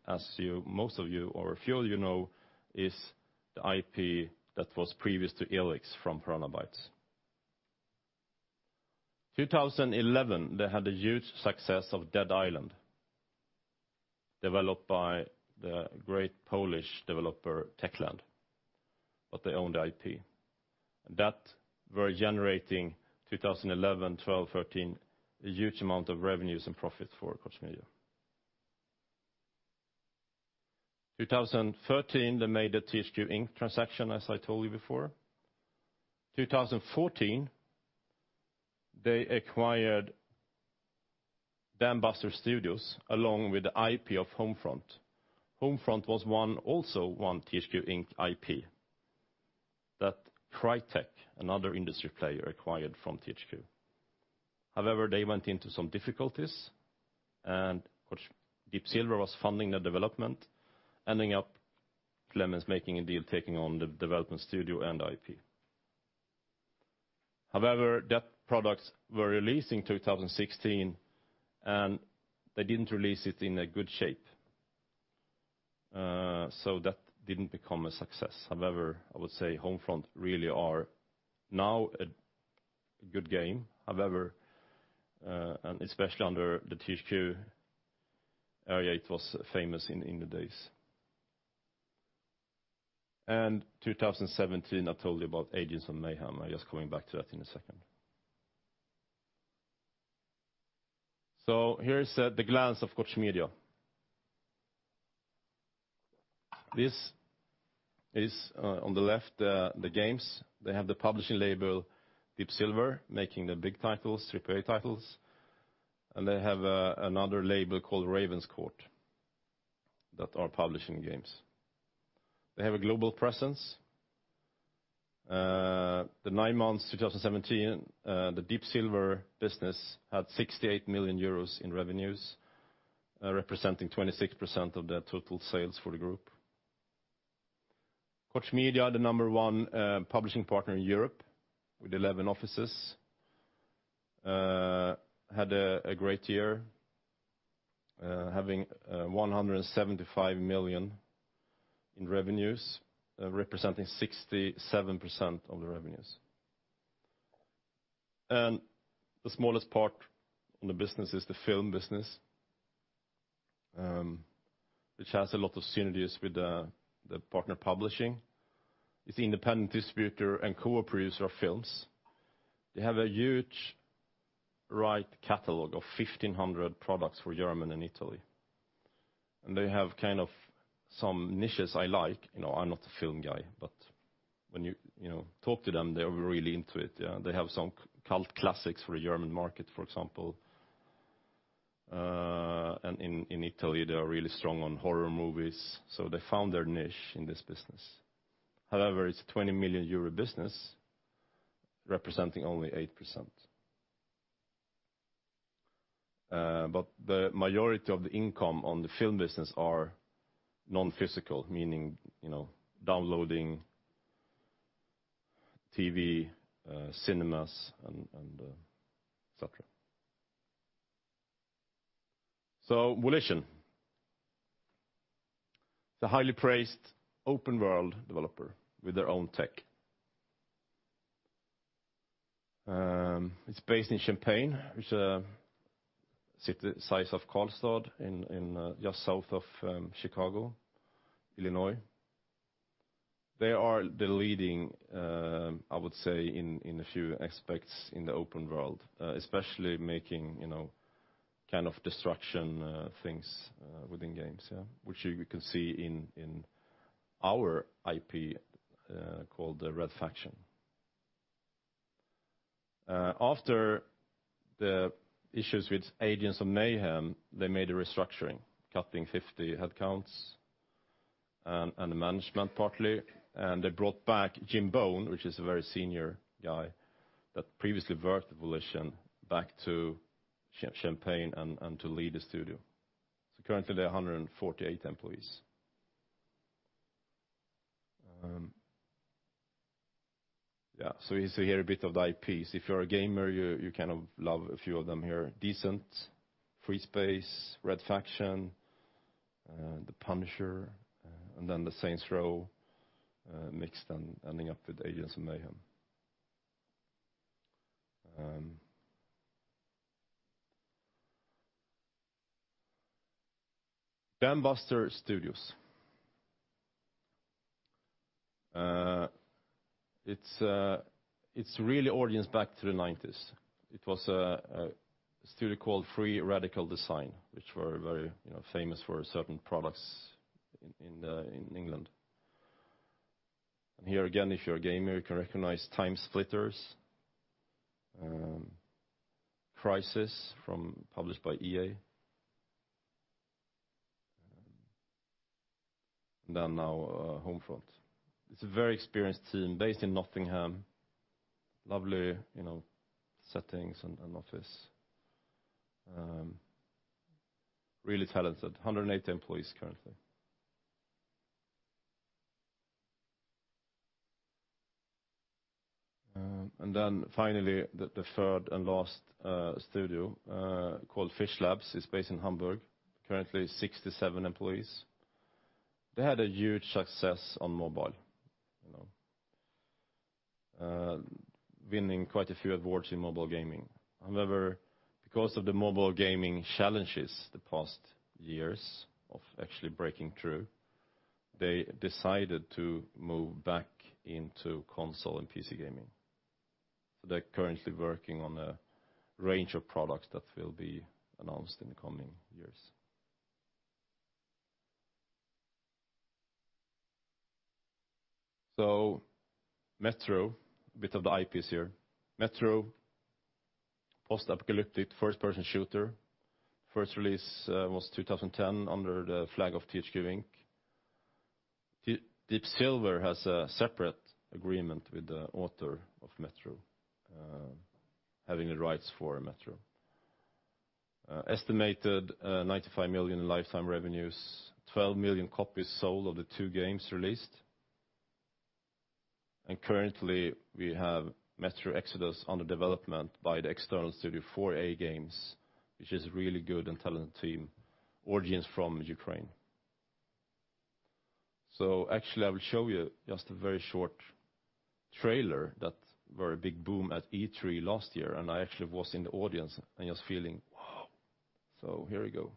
as most of you or a few of you know, is the IP that was previous to "ELEX" from Piranha Bytes. 2011, they had a huge success of "Dead Island," developed by the great Polish developer Techland, but they owned the IP. That was generating in 2011, 2012, 2013, a huge amount of revenues and profit for Koch Media. 2013, they made a THQ Inc. transaction, as I told you before. 2014, they acquired Dambuster Studios along with the IP of "Homefront." "Homefront" was also one THQ Inc. IP that Crytek, another industry player, acquired from THQ. However, they went into some difficulties, and which Deep Silver was funding the development, ending up Klemens making a deal taking on the development studio and IP. However, that products were released in 2016, and they didn't release it in a good shape. That didn't become a success. However, I would say Homefront really are now a good game. However, and especially under the THQ era, it was famous in the days. 2017, I told you about Agents of Mayhem. I'm just coming back to that in a second. Here is the glance of Koch Media. This is on the left the games, they have the publishing label, Deep Silver, making the big titles, AAA titles. They have another label called Ravenscourt that are publishing games. They have a global presence. The nine months 2017, the Deep Silver business had 68 million euros in revenues, representing 26% of their total sales for the group. Koch Media are the number 1 publishing partner in Europe with 11 offices. Had a great year, having 175 million in revenues, representing 67% of the revenues. The smallest part on the business is the film business, which has a lot of synergies with the partner publishing. It's independent distributor and co-producer of films. They have a huge right catalog of 1,500 products for German and Italy. They have some niches I like. I'm not a film guy, but when you talk to them, they are really into it. They have some cult classics for the German market, for example. In Italy, they are really strong on horror movies, so they found their niche in this business. However, it's a 20 million euro business representing only 8%. The majority of the income on the film business are non-physical, meaning downloading TV, cinemas, and et cetera. Volition. The highly praised open world developer with their own tech. It's based in Champaign, which is a city size of Karlstad in just south of Chicago, Illinois. They are the leading, I would say, in a few aspects in the open world, especially making kind of destruction things within games, yeah. Which you can see in our IP, called the Red Faction. After the issues with Agents of Mayhem, they made a restructuring, cutting 50 headcounts and the management partly, and they brought back Jim Boone, which is a very senior guy that previously worked at Volition back to Champaign and to lead the studio. Currently there are 148 employees. You see here a bit of the IPs. If you're a gamer, you kind of love a few of them here. Descent, FreeSpace, Red Faction, The Punisher, and then the Saints Row mixed and ending up with Agents of Mayhem. Dambuster Studios. It's really origins back to the '90s. It was a studio called Free Radical Design, which were very famous for certain products in the— In England. Here again, if you're a gamer, you can recognize TimeSplitters, Crysis from published by EA. Now, Homefront. It's a very experienced team based in Nottingham. Lovely settings and office. Really talented. 180 employees currently. Then finally, the third and last studio, called Fishlabs, is based in Hamburg. Currently 67 employees. They had a huge success on mobile. Winning quite a few awards in mobile gaming. Because of the mobile gaming challenges the past years of actually breaking through, they decided to move back into console and PC gaming. They're currently working on a range of products that will be announced in the coming years. Metro, bit of the IPs here. Metro post-apocalyptic first-person shooter. First release was 2010 under the flag of THQ Inc. Deep Silver has a separate agreement with the author of Metro, having the rights for Metro. Estimated €95 million in lifetime revenues, 12 million copies sold of the two games released. Currently, we have Metro Exodus under development by the external studio 4A Games, which is a really good and talented team, origins from Ukraine. Actually, I will show you just a very short trailer that were a big boom at E3 last year, and I actually was in the audience and just feeling, wow. Here we go.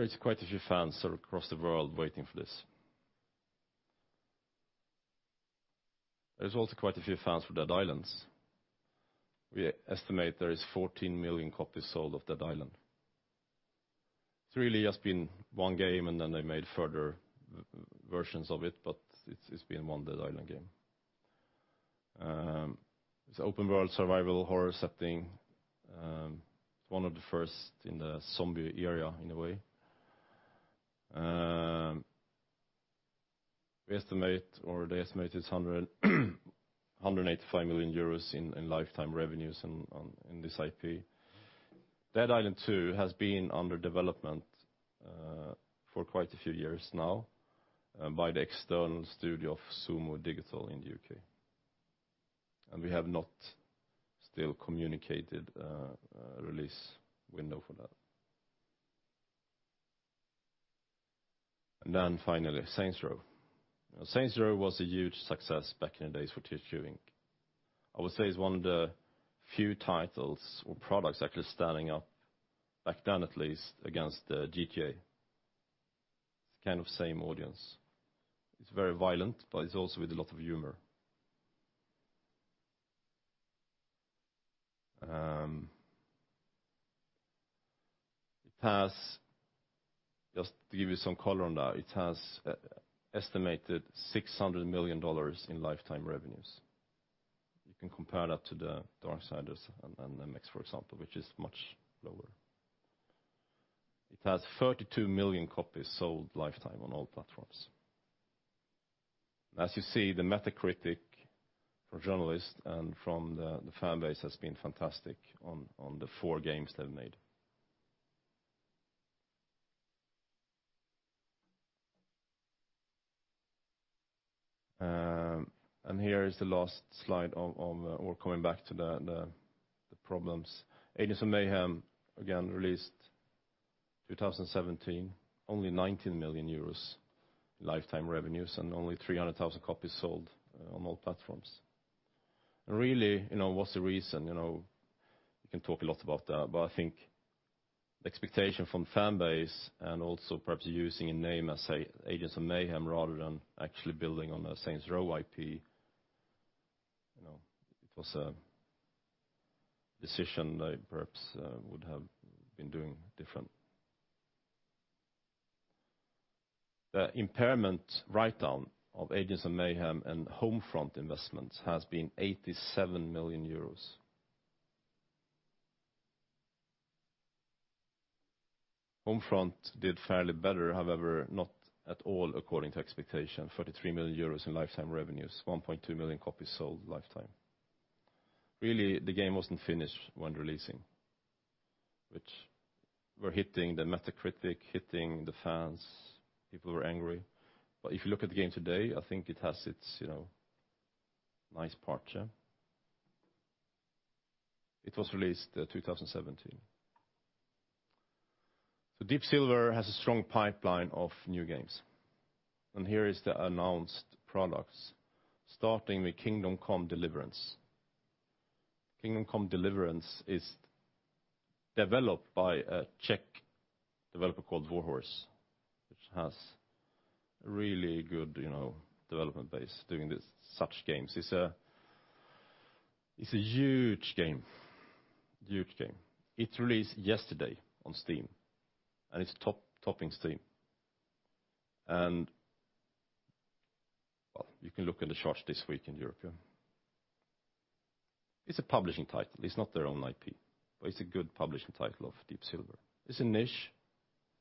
There is quite a few fans across the world waiting for this. There's also quite a few fans for Dead Island. We estimate there is 14 million copies sold of Dead Island. It's really just been one game and then they made further versions of it, but it's been one Dead Island game. It's open world survival horror setting, one of the first in the zombie area in a way. They estimated €185 million in lifetime revenues in this IP. Dead Island 2 has been under development for quite a few years now by the external studio of Sumo Digital in the U.K. We have not still communicated a release window for that. Finally, Saints Row. Saints Row was a huge success back in the days for THQ Inc. I would say it's one of the few titles or products actually standing up, back then at least, against GTA. It's kind of same audience. It's very violent, but it's also with a lot of humor. Just to give you some color on that, it has estimated $600 million in lifetime revenues. You can compare that to the Darksiders and MX, for example, which is much lower. It has 32 million copies sold lifetime on all platforms. As you see, the Metacritic for journalists and from the fan base has been fantastic on the four games they've made. Here is the last slide, or coming back to the problems. Agents of Mayhem, again, released 2017, only 19 million euros lifetime revenues and only 300,000 copies sold on all platforms. Really, what's the reason? You can talk a lot about that, but I think expectation from fan base and also perhaps using a name as Agents of Mayhem rather than actually building on the Saints Row IP, it was a decision they perhaps would have been doing different. The impairment write-down of Agents of Mayhem and Homefront investments has been 87 million euros. Homefront did fairly better, however, not at all according to expectation, 33 million euros in lifetime revenues, 1.2 million copies sold lifetime. Really, the game wasn't finished when releasing, which we're hitting the Metacritic, hitting the fans. People were angry. If you look at the game today, I think it has its nice part. It was released 2017. Deep Silver has a strong pipeline of new games. Here is the announced products, starting with Kingdom Come: Deliverance. Kingdom Come: Deliverance is developed by a Czech developer called Warhorse, which has really good development base doing such games. It's a huge game. It released yesterday on Steam, and it's topping Steam. Well, you can look at the charts this week in Europe. It's a publishing title. It's not their own IP, but it's a good publishing title of Deep Silver. It's a niche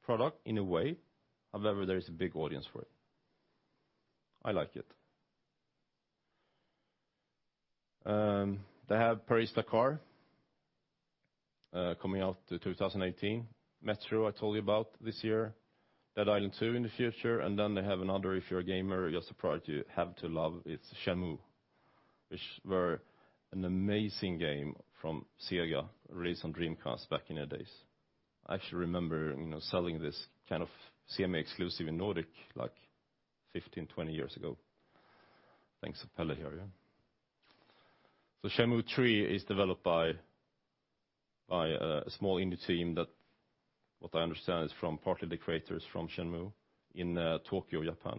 product in a way. However, there is a big audience for it. I like it. They have Dakar 18 coming out through 2018. Metro, I told you about this year. Dead Island 2 in the future. Then they have another, if you're a gamer, you're surprised you have to love. It's Shenmue, which were an amazing game from SEGA released on Dreamcast back in the days. I actually remember selling this kind of semi-exclusive in Nordic like 15, 20 years ago. Thanks, Pelle here. Shenmue III" is developed by a small indie team that, what I understand is from partly the creators from Shenmue in Tokyo, Japan.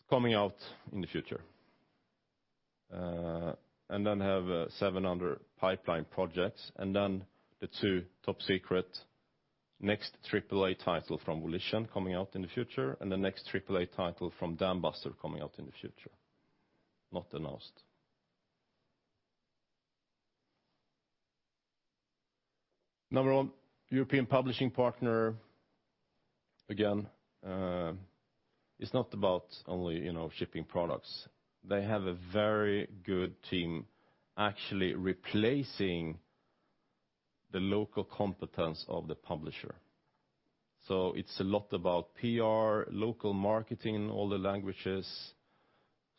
It's coming out in the future. Then have seven other pipeline projects, and then the two top-secret next AAA title from Volition coming out in the future, and the next AAA title from Dambuster coming out in the future. Not announced. Number one European publishing partner, again, it's not about only shipping products. They have a very good team actually replacing the local competence of the publisher. It's a lot about PR, local marketing in all the languages,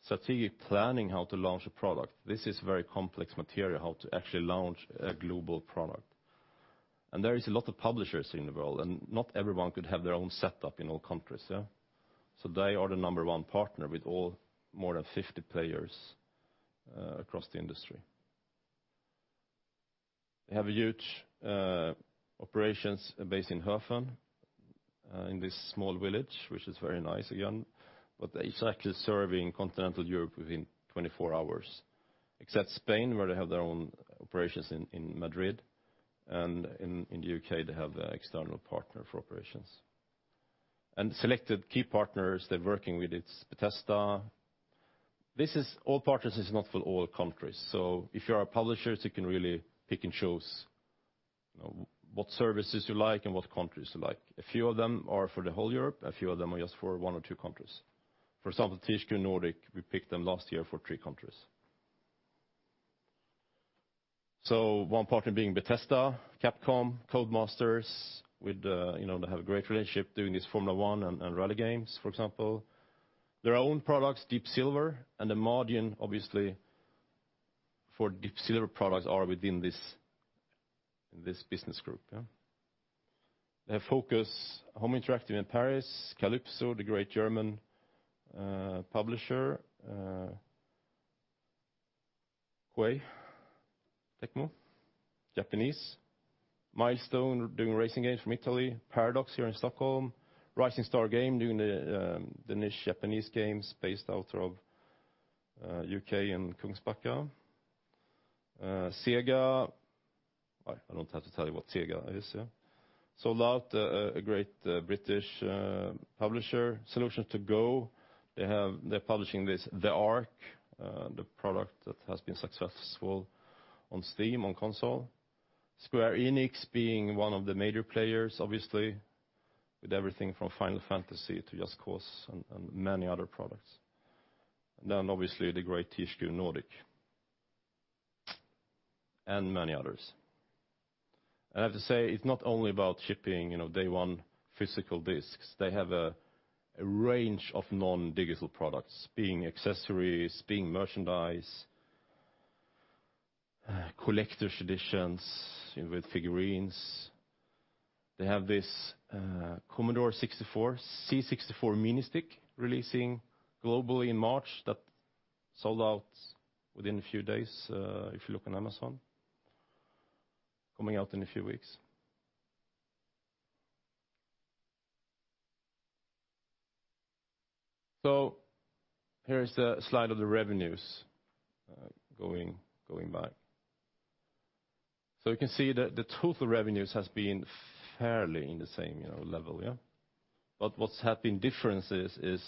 strategic planning how to launch a product. This is very complex material, how to actually launch a global product. There is a lot of publishers in the world, and not everyone could have their own setup in all countries. They are the number one partner with all, more than 50 players across the industry. They have huge operations based in Höfen, in this small village, which is very nice again. But it's actually serving continental Europe within 24 hours, except Spain, where they have their own operations in Madrid, and in the U.K. they have an external partner for operations. Selected key partners they're working with, it's Bethesda. All partners is not for all countries. If you are a publisher, you can really pick and choose what services you like and what countries you like. A few of them are for the whole of Europe, a few of them are just for one or two countries. For example, THQ Nordic, we picked them last year for three countries. One partner being Bethesda, Capcom, Codemasters, they have a great relationship doing this Formula One and rally games, for example. Their own products, Deep Silver and Meridian, obviously, for Deep Silver products are within this business group. They have Focus Home Interactive in Paris, Kalypso, the great German publisher, Koei Tecmo, Japanese. Milestone doing racing games from Italy, Paradox here in Stockholm, Rising Star Games doing the niche Japanese games based out of U.K. and Kungsbacka. SEGA, I don't have to tell you what SEGA is. Sold Out, a great British publisher. Solutions 2 GO, they're publishing "The Ark," the product that has been successful on Steam, on console. Square Enix being one of the major players, obviously, with everything from "Final Fantasy" to "Just Cause" and many other products. Obviously the great THQ Nordic. Many others. I have to say, it's not only about shipping day one physical discs. They have a range of non-digital products, being accessories, being merchandise, collector's editions with figurines. They have this Commodore 64, THEC64 Mini releasing globally in March that sold out within a few days, if you look on Amazon. Coming out in a few weeks. Here is the slide of the revenues, going back. You can see that the total revenues has been fairly in the same level. What's happened differences is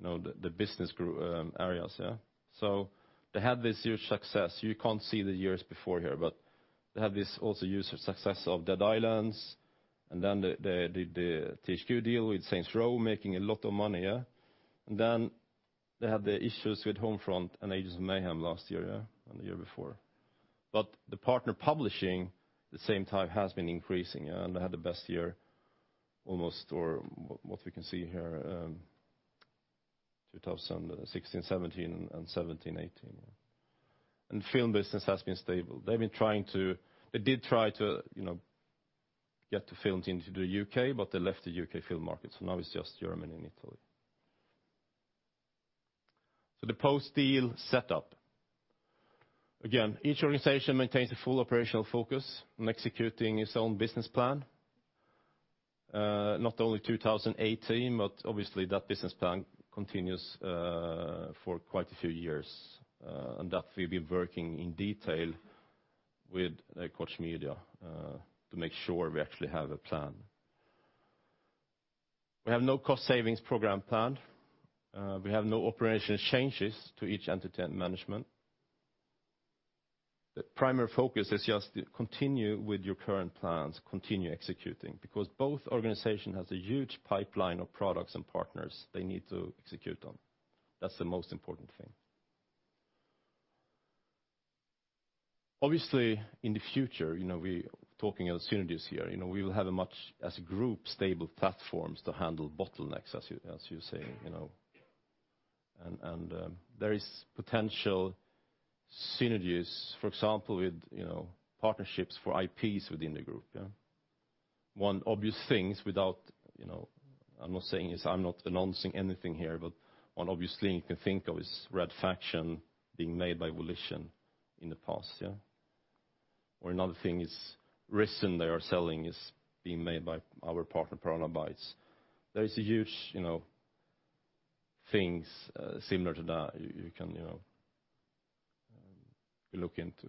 the business areas. They had this huge success. You can't see the years before here, but they have this also huge success of "Dead Island," and then the THQ deal with "Saints Row" making a lot of money. They had the issues with Homefront and Agents of Mayhem last year and the year before. The partner publishing at the same time has been increasing, and they had the best year almost, or what we can see here, 2016/17 and 2017/18. Film business has been stable. They did try to get the film team to do U.K., but they left the U.K. film market, so now it's just Germany and Italy. The post-deal setup. Again, each organization maintains a full operational focus on executing its own business plan. Not only 2018, but obviously that business plan continues for quite a few years. That we've been working in detail with Koch Media to make sure we actually have a plan. We have no cost savings program planned. We have no operational changes to each entity management. The primary focus is just continue with your current plans, continue executing, because both organization has a huge pipeline of products and partners they need to execute on. That's the most important thing. Obviously, in the future, we talking of synergies here. We will have a much, as a group, stable platforms to handle bottlenecks, as you say. There is potential synergies, for example, with partnerships for IPs within the group. One obvious thing, I'm not announcing anything here, but one obvious thing you can think of is "Red Faction" being made by Volition in the past. Or another thing is "Risen" they are selling is being made by our partner Piranha Bytes. There is a huge things similar to that you can look into.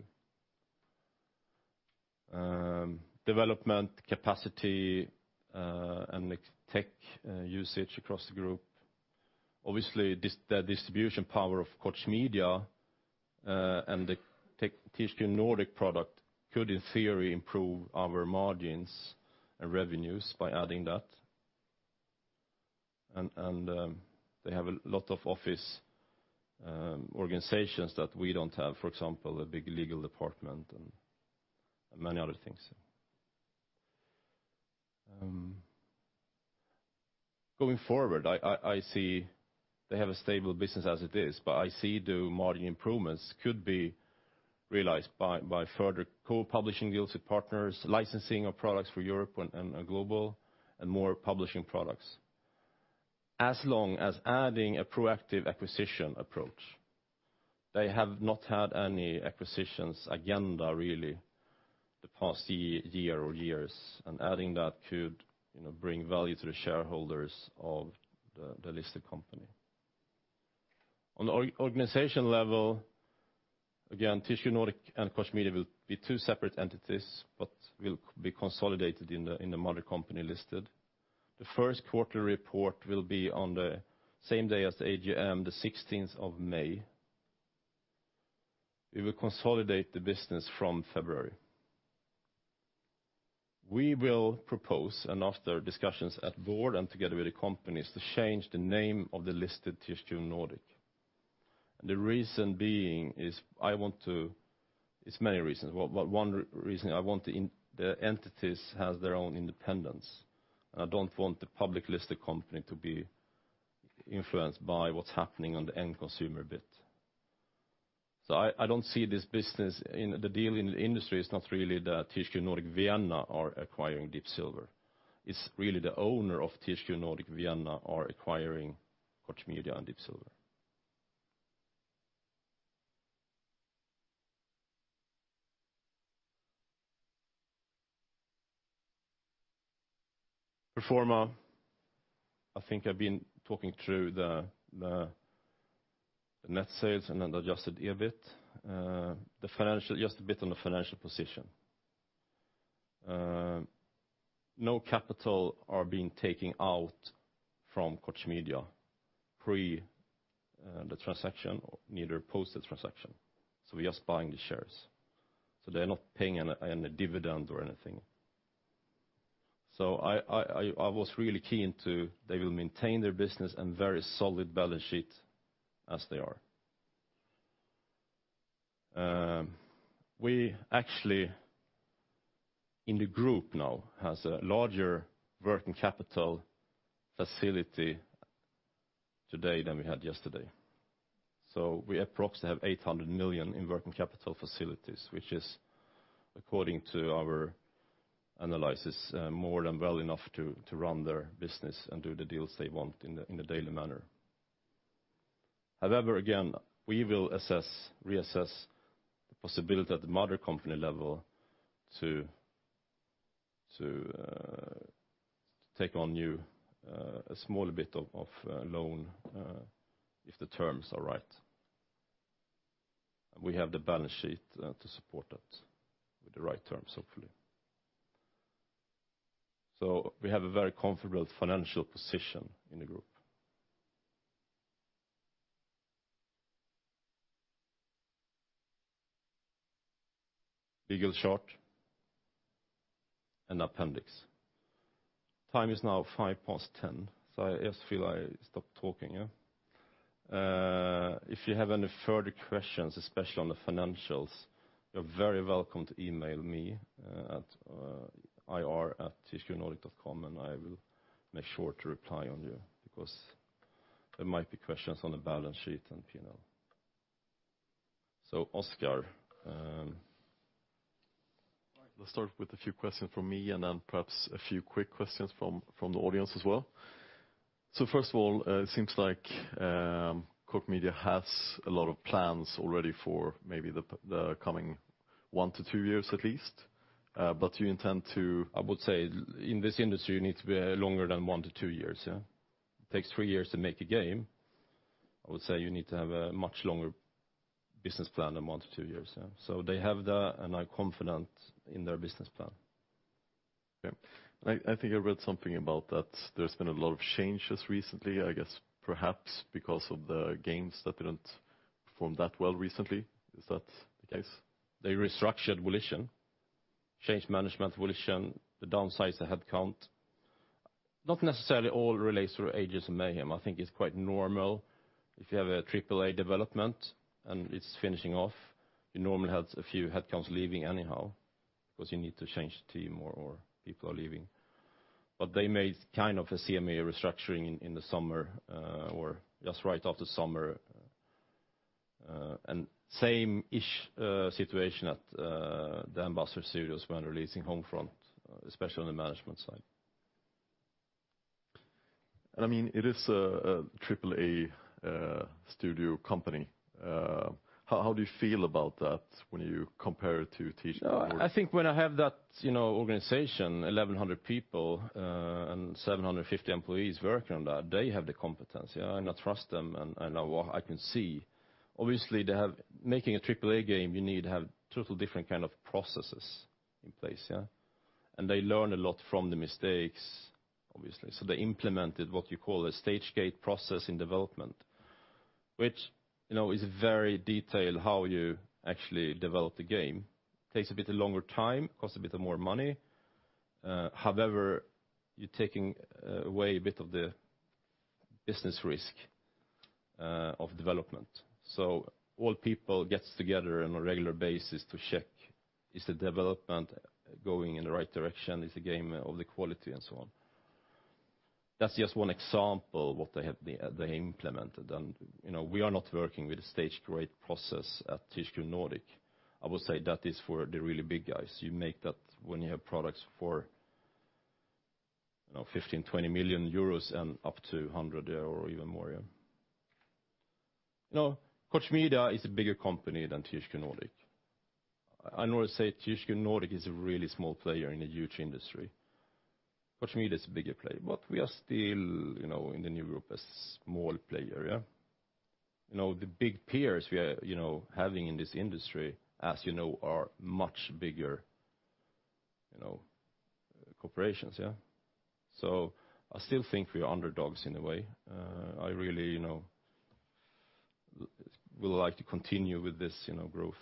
Development capacity and tech usage across the group. Obviously, the distribution power of Koch Media and the THQ Nordic product could, in theory, improve our margins and revenues by adding that. They have a lot of office organizations that we don't have, for example, a big legal department and many other things. Going forward, I see they have a stable business as it is, but I see the margin improvements could be realized by further co-publishing deals with partners, licensing of products for Europe and global, and more publishing products. As long as adding a proactive acquisition approach. They have not had any acquisitions agenda really the past year or years, and adding that could bring value to the shareholders of the listed company. On the organization level, again, THQ Nordic and Koch Media will be two separate entities, but will be consolidated in the mother company listed. The first quarter report will be on the same day as the AGM, the 16th of May. We will consolidate the business from February. We will propose, and after discussions at board and together with the companies, to change the name of the listed THQ Nordic. The reason being is. It's many reasons. One reason, I want the entities has their own independence. I don't want the public-listed company to be influenced by what's happening on the end consumer bit. I don't see this business in the deal in the industry is not really the THQ Nordic Vienna are acquiring Deep Silver. It's really the owner of THQ Nordic Vienna are acquiring Koch Media and Deep Silver. Pro forma, I think I've been talking through the net sales and then adjusted EBIT. Just a bit on the financial position. No capital are being taken out from Koch Media pre the transaction, neither post the transaction. We're just buying the shares. They're not paying any dividend or anything. I was really keen to, they will maintain their business and very solid balance sheet as they are. We actually in the group now has a larger working capital facility today than we had yesterday. We approximately have 800 million in working capital facilities, which is according to our analysis, more than well enough to run their business and do the deals they want in the daily manner. However, again, we will reassess the possibility at the mother company level to take on new a small bit of loan if the terms are right. We have the balance sheet to support that with the right terms, hopefully. We have a very comfortable financial position in the group. Legal chart and appendix. Time is now 10:05 A.M., I just feel I stop talking, yeah. If you have any further questions, especially on the financials, you're very welcome to email me at ir@thqnordic.com and I will make sure to reply on you because there might be questions on the balance sheet and P&L. Oscar. Let's start with a few questions from me and then perhaps a few quick questions from the audience as well. First of all, it seems like Koch Media has a lot of plans already for maybe the coming one to two years at least. You intend to- I would say in this industry, you need to be longer than one to two years, yeah. It takes three years to make a game. I would say you need to have a much longer business plan than one to two years. They have that, and I'm confident in their business plan. Okay. I think I read something about that there's been a lot of changes recently, I guess perhaps because of the games that didn't perform that well recently. Is that the case? They restructured Volition, changed management Volition, they downsized the headcount. Not necessarily all relates to "Agents of Mayhem." I think it's quite normal if you have a AAA development and it's finishing off, you normally have a few headcounts leaving anyhow because you need to change team or people are leaving. They made a CMA restructuring in the summer or just right after summer. Same-ish situation at the Dambuster Studios when releasing Homefront, especially on the management side. It is a triple-A studio company. How do you feel about that when you compare it to THQ Nordic? I think when I have that organization, 1,100 people and 750 employees working on that, they have the competence. I trust them and I can see. Obviously, making a triple-A game, you need to have total different kind of processes in place. They learn a lot from the mistakes, obviously. They implemented what you call a stage-gate process in development, which is very detailed how you actually develop the game. Takes a bit longer time, costs a bit more money. However, you're taking away a bit of the business risk of development. All people gets together on a regular basis to check, is the development going in the right direction? Is the game of the quality and so on. That's just one example what they implemented. We are not working with a stage-gate process at THQ Nordic. I would say that is for the really big guys. You make that when you have products for 15 million, 20 million euros and up to 100 million or even more. Koch Media is a bigger company than THQ Nordic. I normally say THQ Nordic is a really small player in a huge industry. Koch Media is a bigger player, but we are still, in the new group, a small player. The big peers we are having in this industry, as you know, are much bigger corporations. I still think we are underdogs in a way. I really would like to continue with this growth.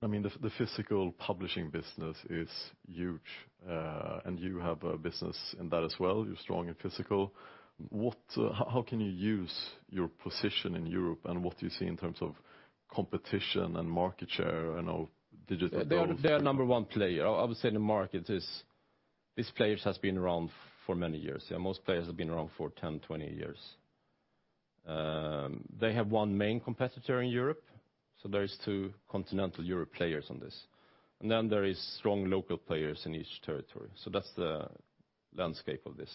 The physical publishing business is huge. You have a business in that as well. You're strong in physical. How can you use your position in Europe and what do you see in terms of competition and market share and all digital? They are number one player. I would say the market is, these players have been around for many years. Most players have been around for 10, 20 years. They have one main competitor in Europe, so there are two continental Europe players on this, and then there are strong local players in each territory. That's the landscape of this.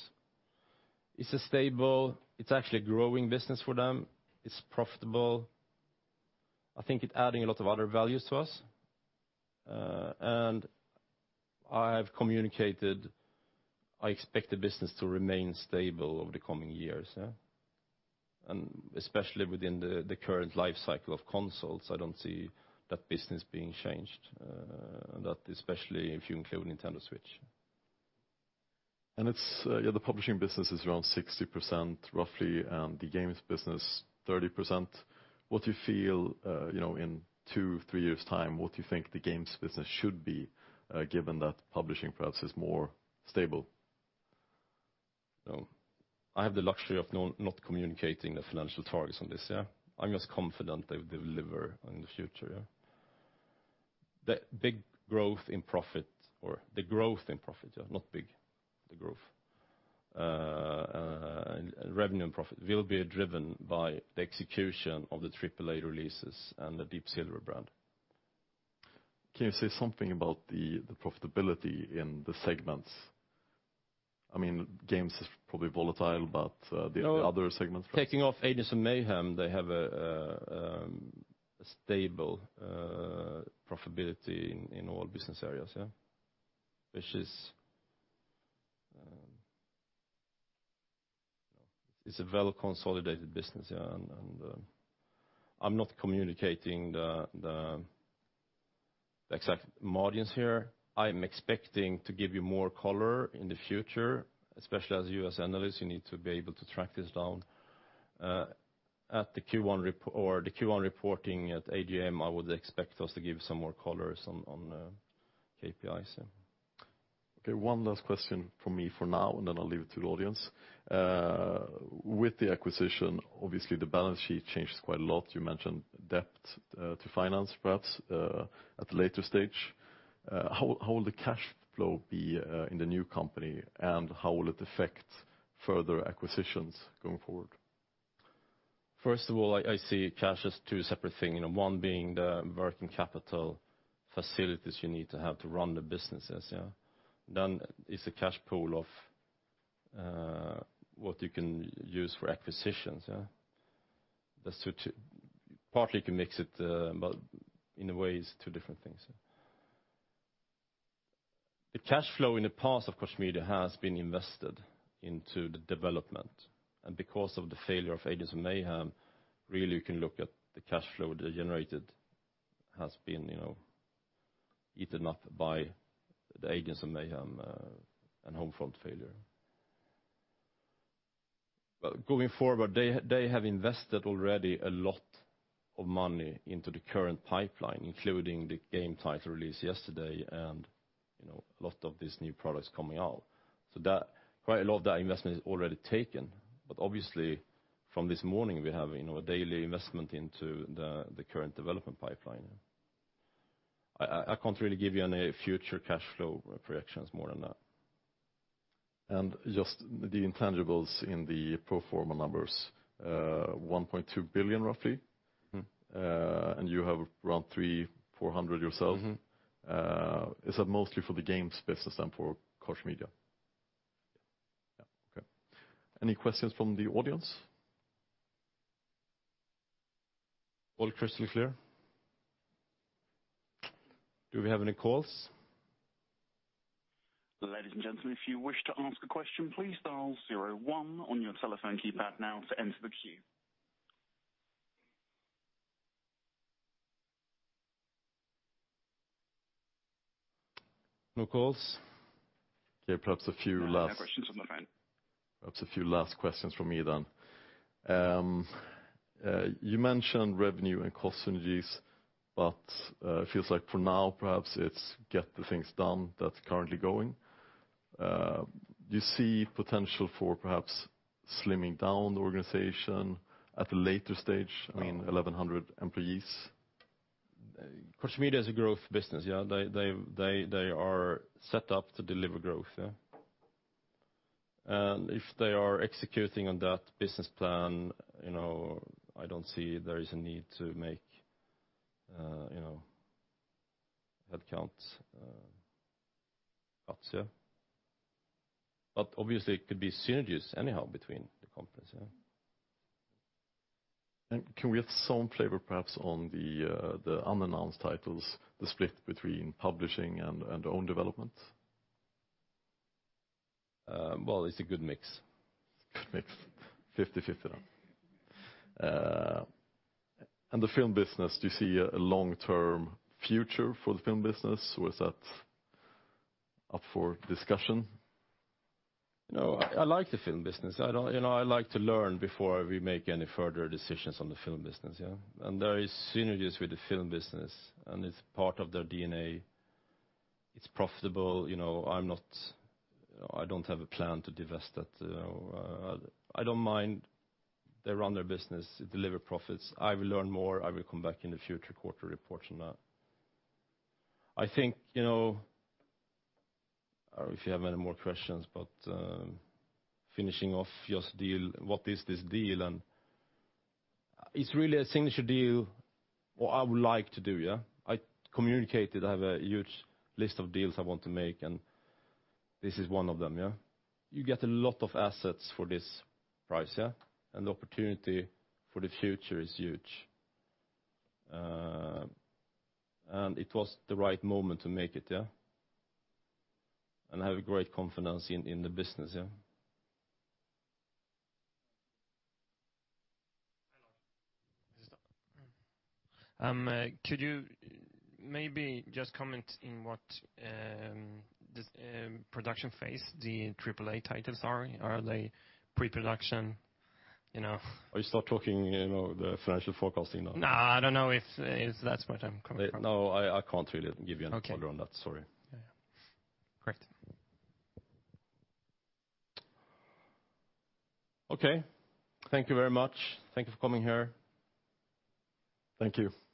It's a stable, it's actually a growing business for them. It's profitable. I think it's adding a lot of other values to us. I've communicated, I expect the business to remain stable over the coming years. Especially within the current life cycle of consoles, I don't see that business being changed, especially if you include Nintendo Switch. The publishing business is around 60%, roughly, and the games business 30%. What do you feel, in two, three years' time, what do you think the games business should be, given that publishing perhaps is more stable? I have the luxury of not communicating the financial targets on this. I'm just confident they will deliver in the future. The big growth in profit or the growth in profit, not big, the growth. Revenue and profit will be driven by the execution of the AAA releases and the Deep Silver brand. Can you say something about the profitability in the segments? Games is probably volatile, but the other segments. Taking off Agents of Mayhem, they have a stable profitability in all business areas. It's a well-consolidated business. I'm not communicating the exact margins here. I'm expecting to give you more color in the future, especially as you as analysts, you need to be able to track this down. At the Q1 reporting at AGM, I would expect us to give some more colors on KPIs. Okay, one last question from me for now, and then I'll leave it to the audience. With the acquisition, obviously the balance sheet changes quite a lot. You mentioned debt to finance, perhaps, at a later stage. How will the cash flow be in the new company, and how will it affect further acquisitions going forward? First of all, I see cash as two separate thing, one being the working capital facilities you need to have to run the businesses. It's a cash pool of what you can use for acquisitions. Partly you can mix it, but in a way it's two different things. The cash flow in the past of Koch Media has been invested into the development. Because of the failure of Agents of Mayhem, really you can look at the cash flow generated has been eaten up by the Agents of Mayhem and Homefront failure. Going forward, they have invested already a lot of money into the current pipeline, including the game title released yesterday and a lot of these new products coming out. Quite a lot of that investment is already taken. Obviously, from this morning, we have a daily investment into the current development pipeline. I can't really give you any future cash flow projections more than that. Just the intangibles in the pro forma numbers, 1.2 billion roughly. You have around 300, 400 yourselves. Is that mostly for the games business than for Koch Media? Yeah. Okay. Any questions from the audience? All crystal clear. Do we have any calls? Ladies and gentlemen, if you wish to ask a question, please dial zero one on your telephone keypad now to enter the queue. No calls? Okay, no questions on the phone. Perhaps a few last questions from me then. You mentioned revenue and cost synergies. It feels like for now, perhaps it's get the things done that's currently going. Do you see potential for perhaps slimming down the organization at a later stage? I mean, 1,100 employees. Koch Media is a growth business, yeah. They are set up to deliver growth, yeah. If they are executing on that business plan, I don't see there is a need to make headcounts cuts, yeah. Obviously it could be synergies anyhow between the companies, yeah. Can we get some flavor perhaps on the unannounced titles, the split between publishing and the own development? Well, it's a good mix. Good mix. 50/50 then. The film business, do you see a long-term future for the film business, or is that up for discussion? I like the film business. I like to learn before we make any further decisions on the film business, yeah. There is synergies with the film business, and it's part of their DNA. It's profitable. I don't have a plan to divest it. I don't mind. They run their business, it deliver profits. I will learn more, I will come back in the future quarter reports on that. I don't know if you have any more questions, finishing off just deal, what is this deal, and it's really a signature deal, what I would like to do, yeah. I communicated I have a huge list of deals I want to make, and this is one of them, yeah. You get a lot of assets for this price, yeah. The opportunity for the future is huge. It was the right moment to make it, yeah. I have a great confidence in the business, yeah. Hello. Could you maybe just comment in what the production phase the AAA titles are? Are they pre-production? Are you still talking the financial forecasting now? No, I don't know if that's what I'm coming from. No, I can't really give you any color on that, sorry. Okay. Yeah. Great. Okay. Thank you very much. Thank you for coming here. Thank you.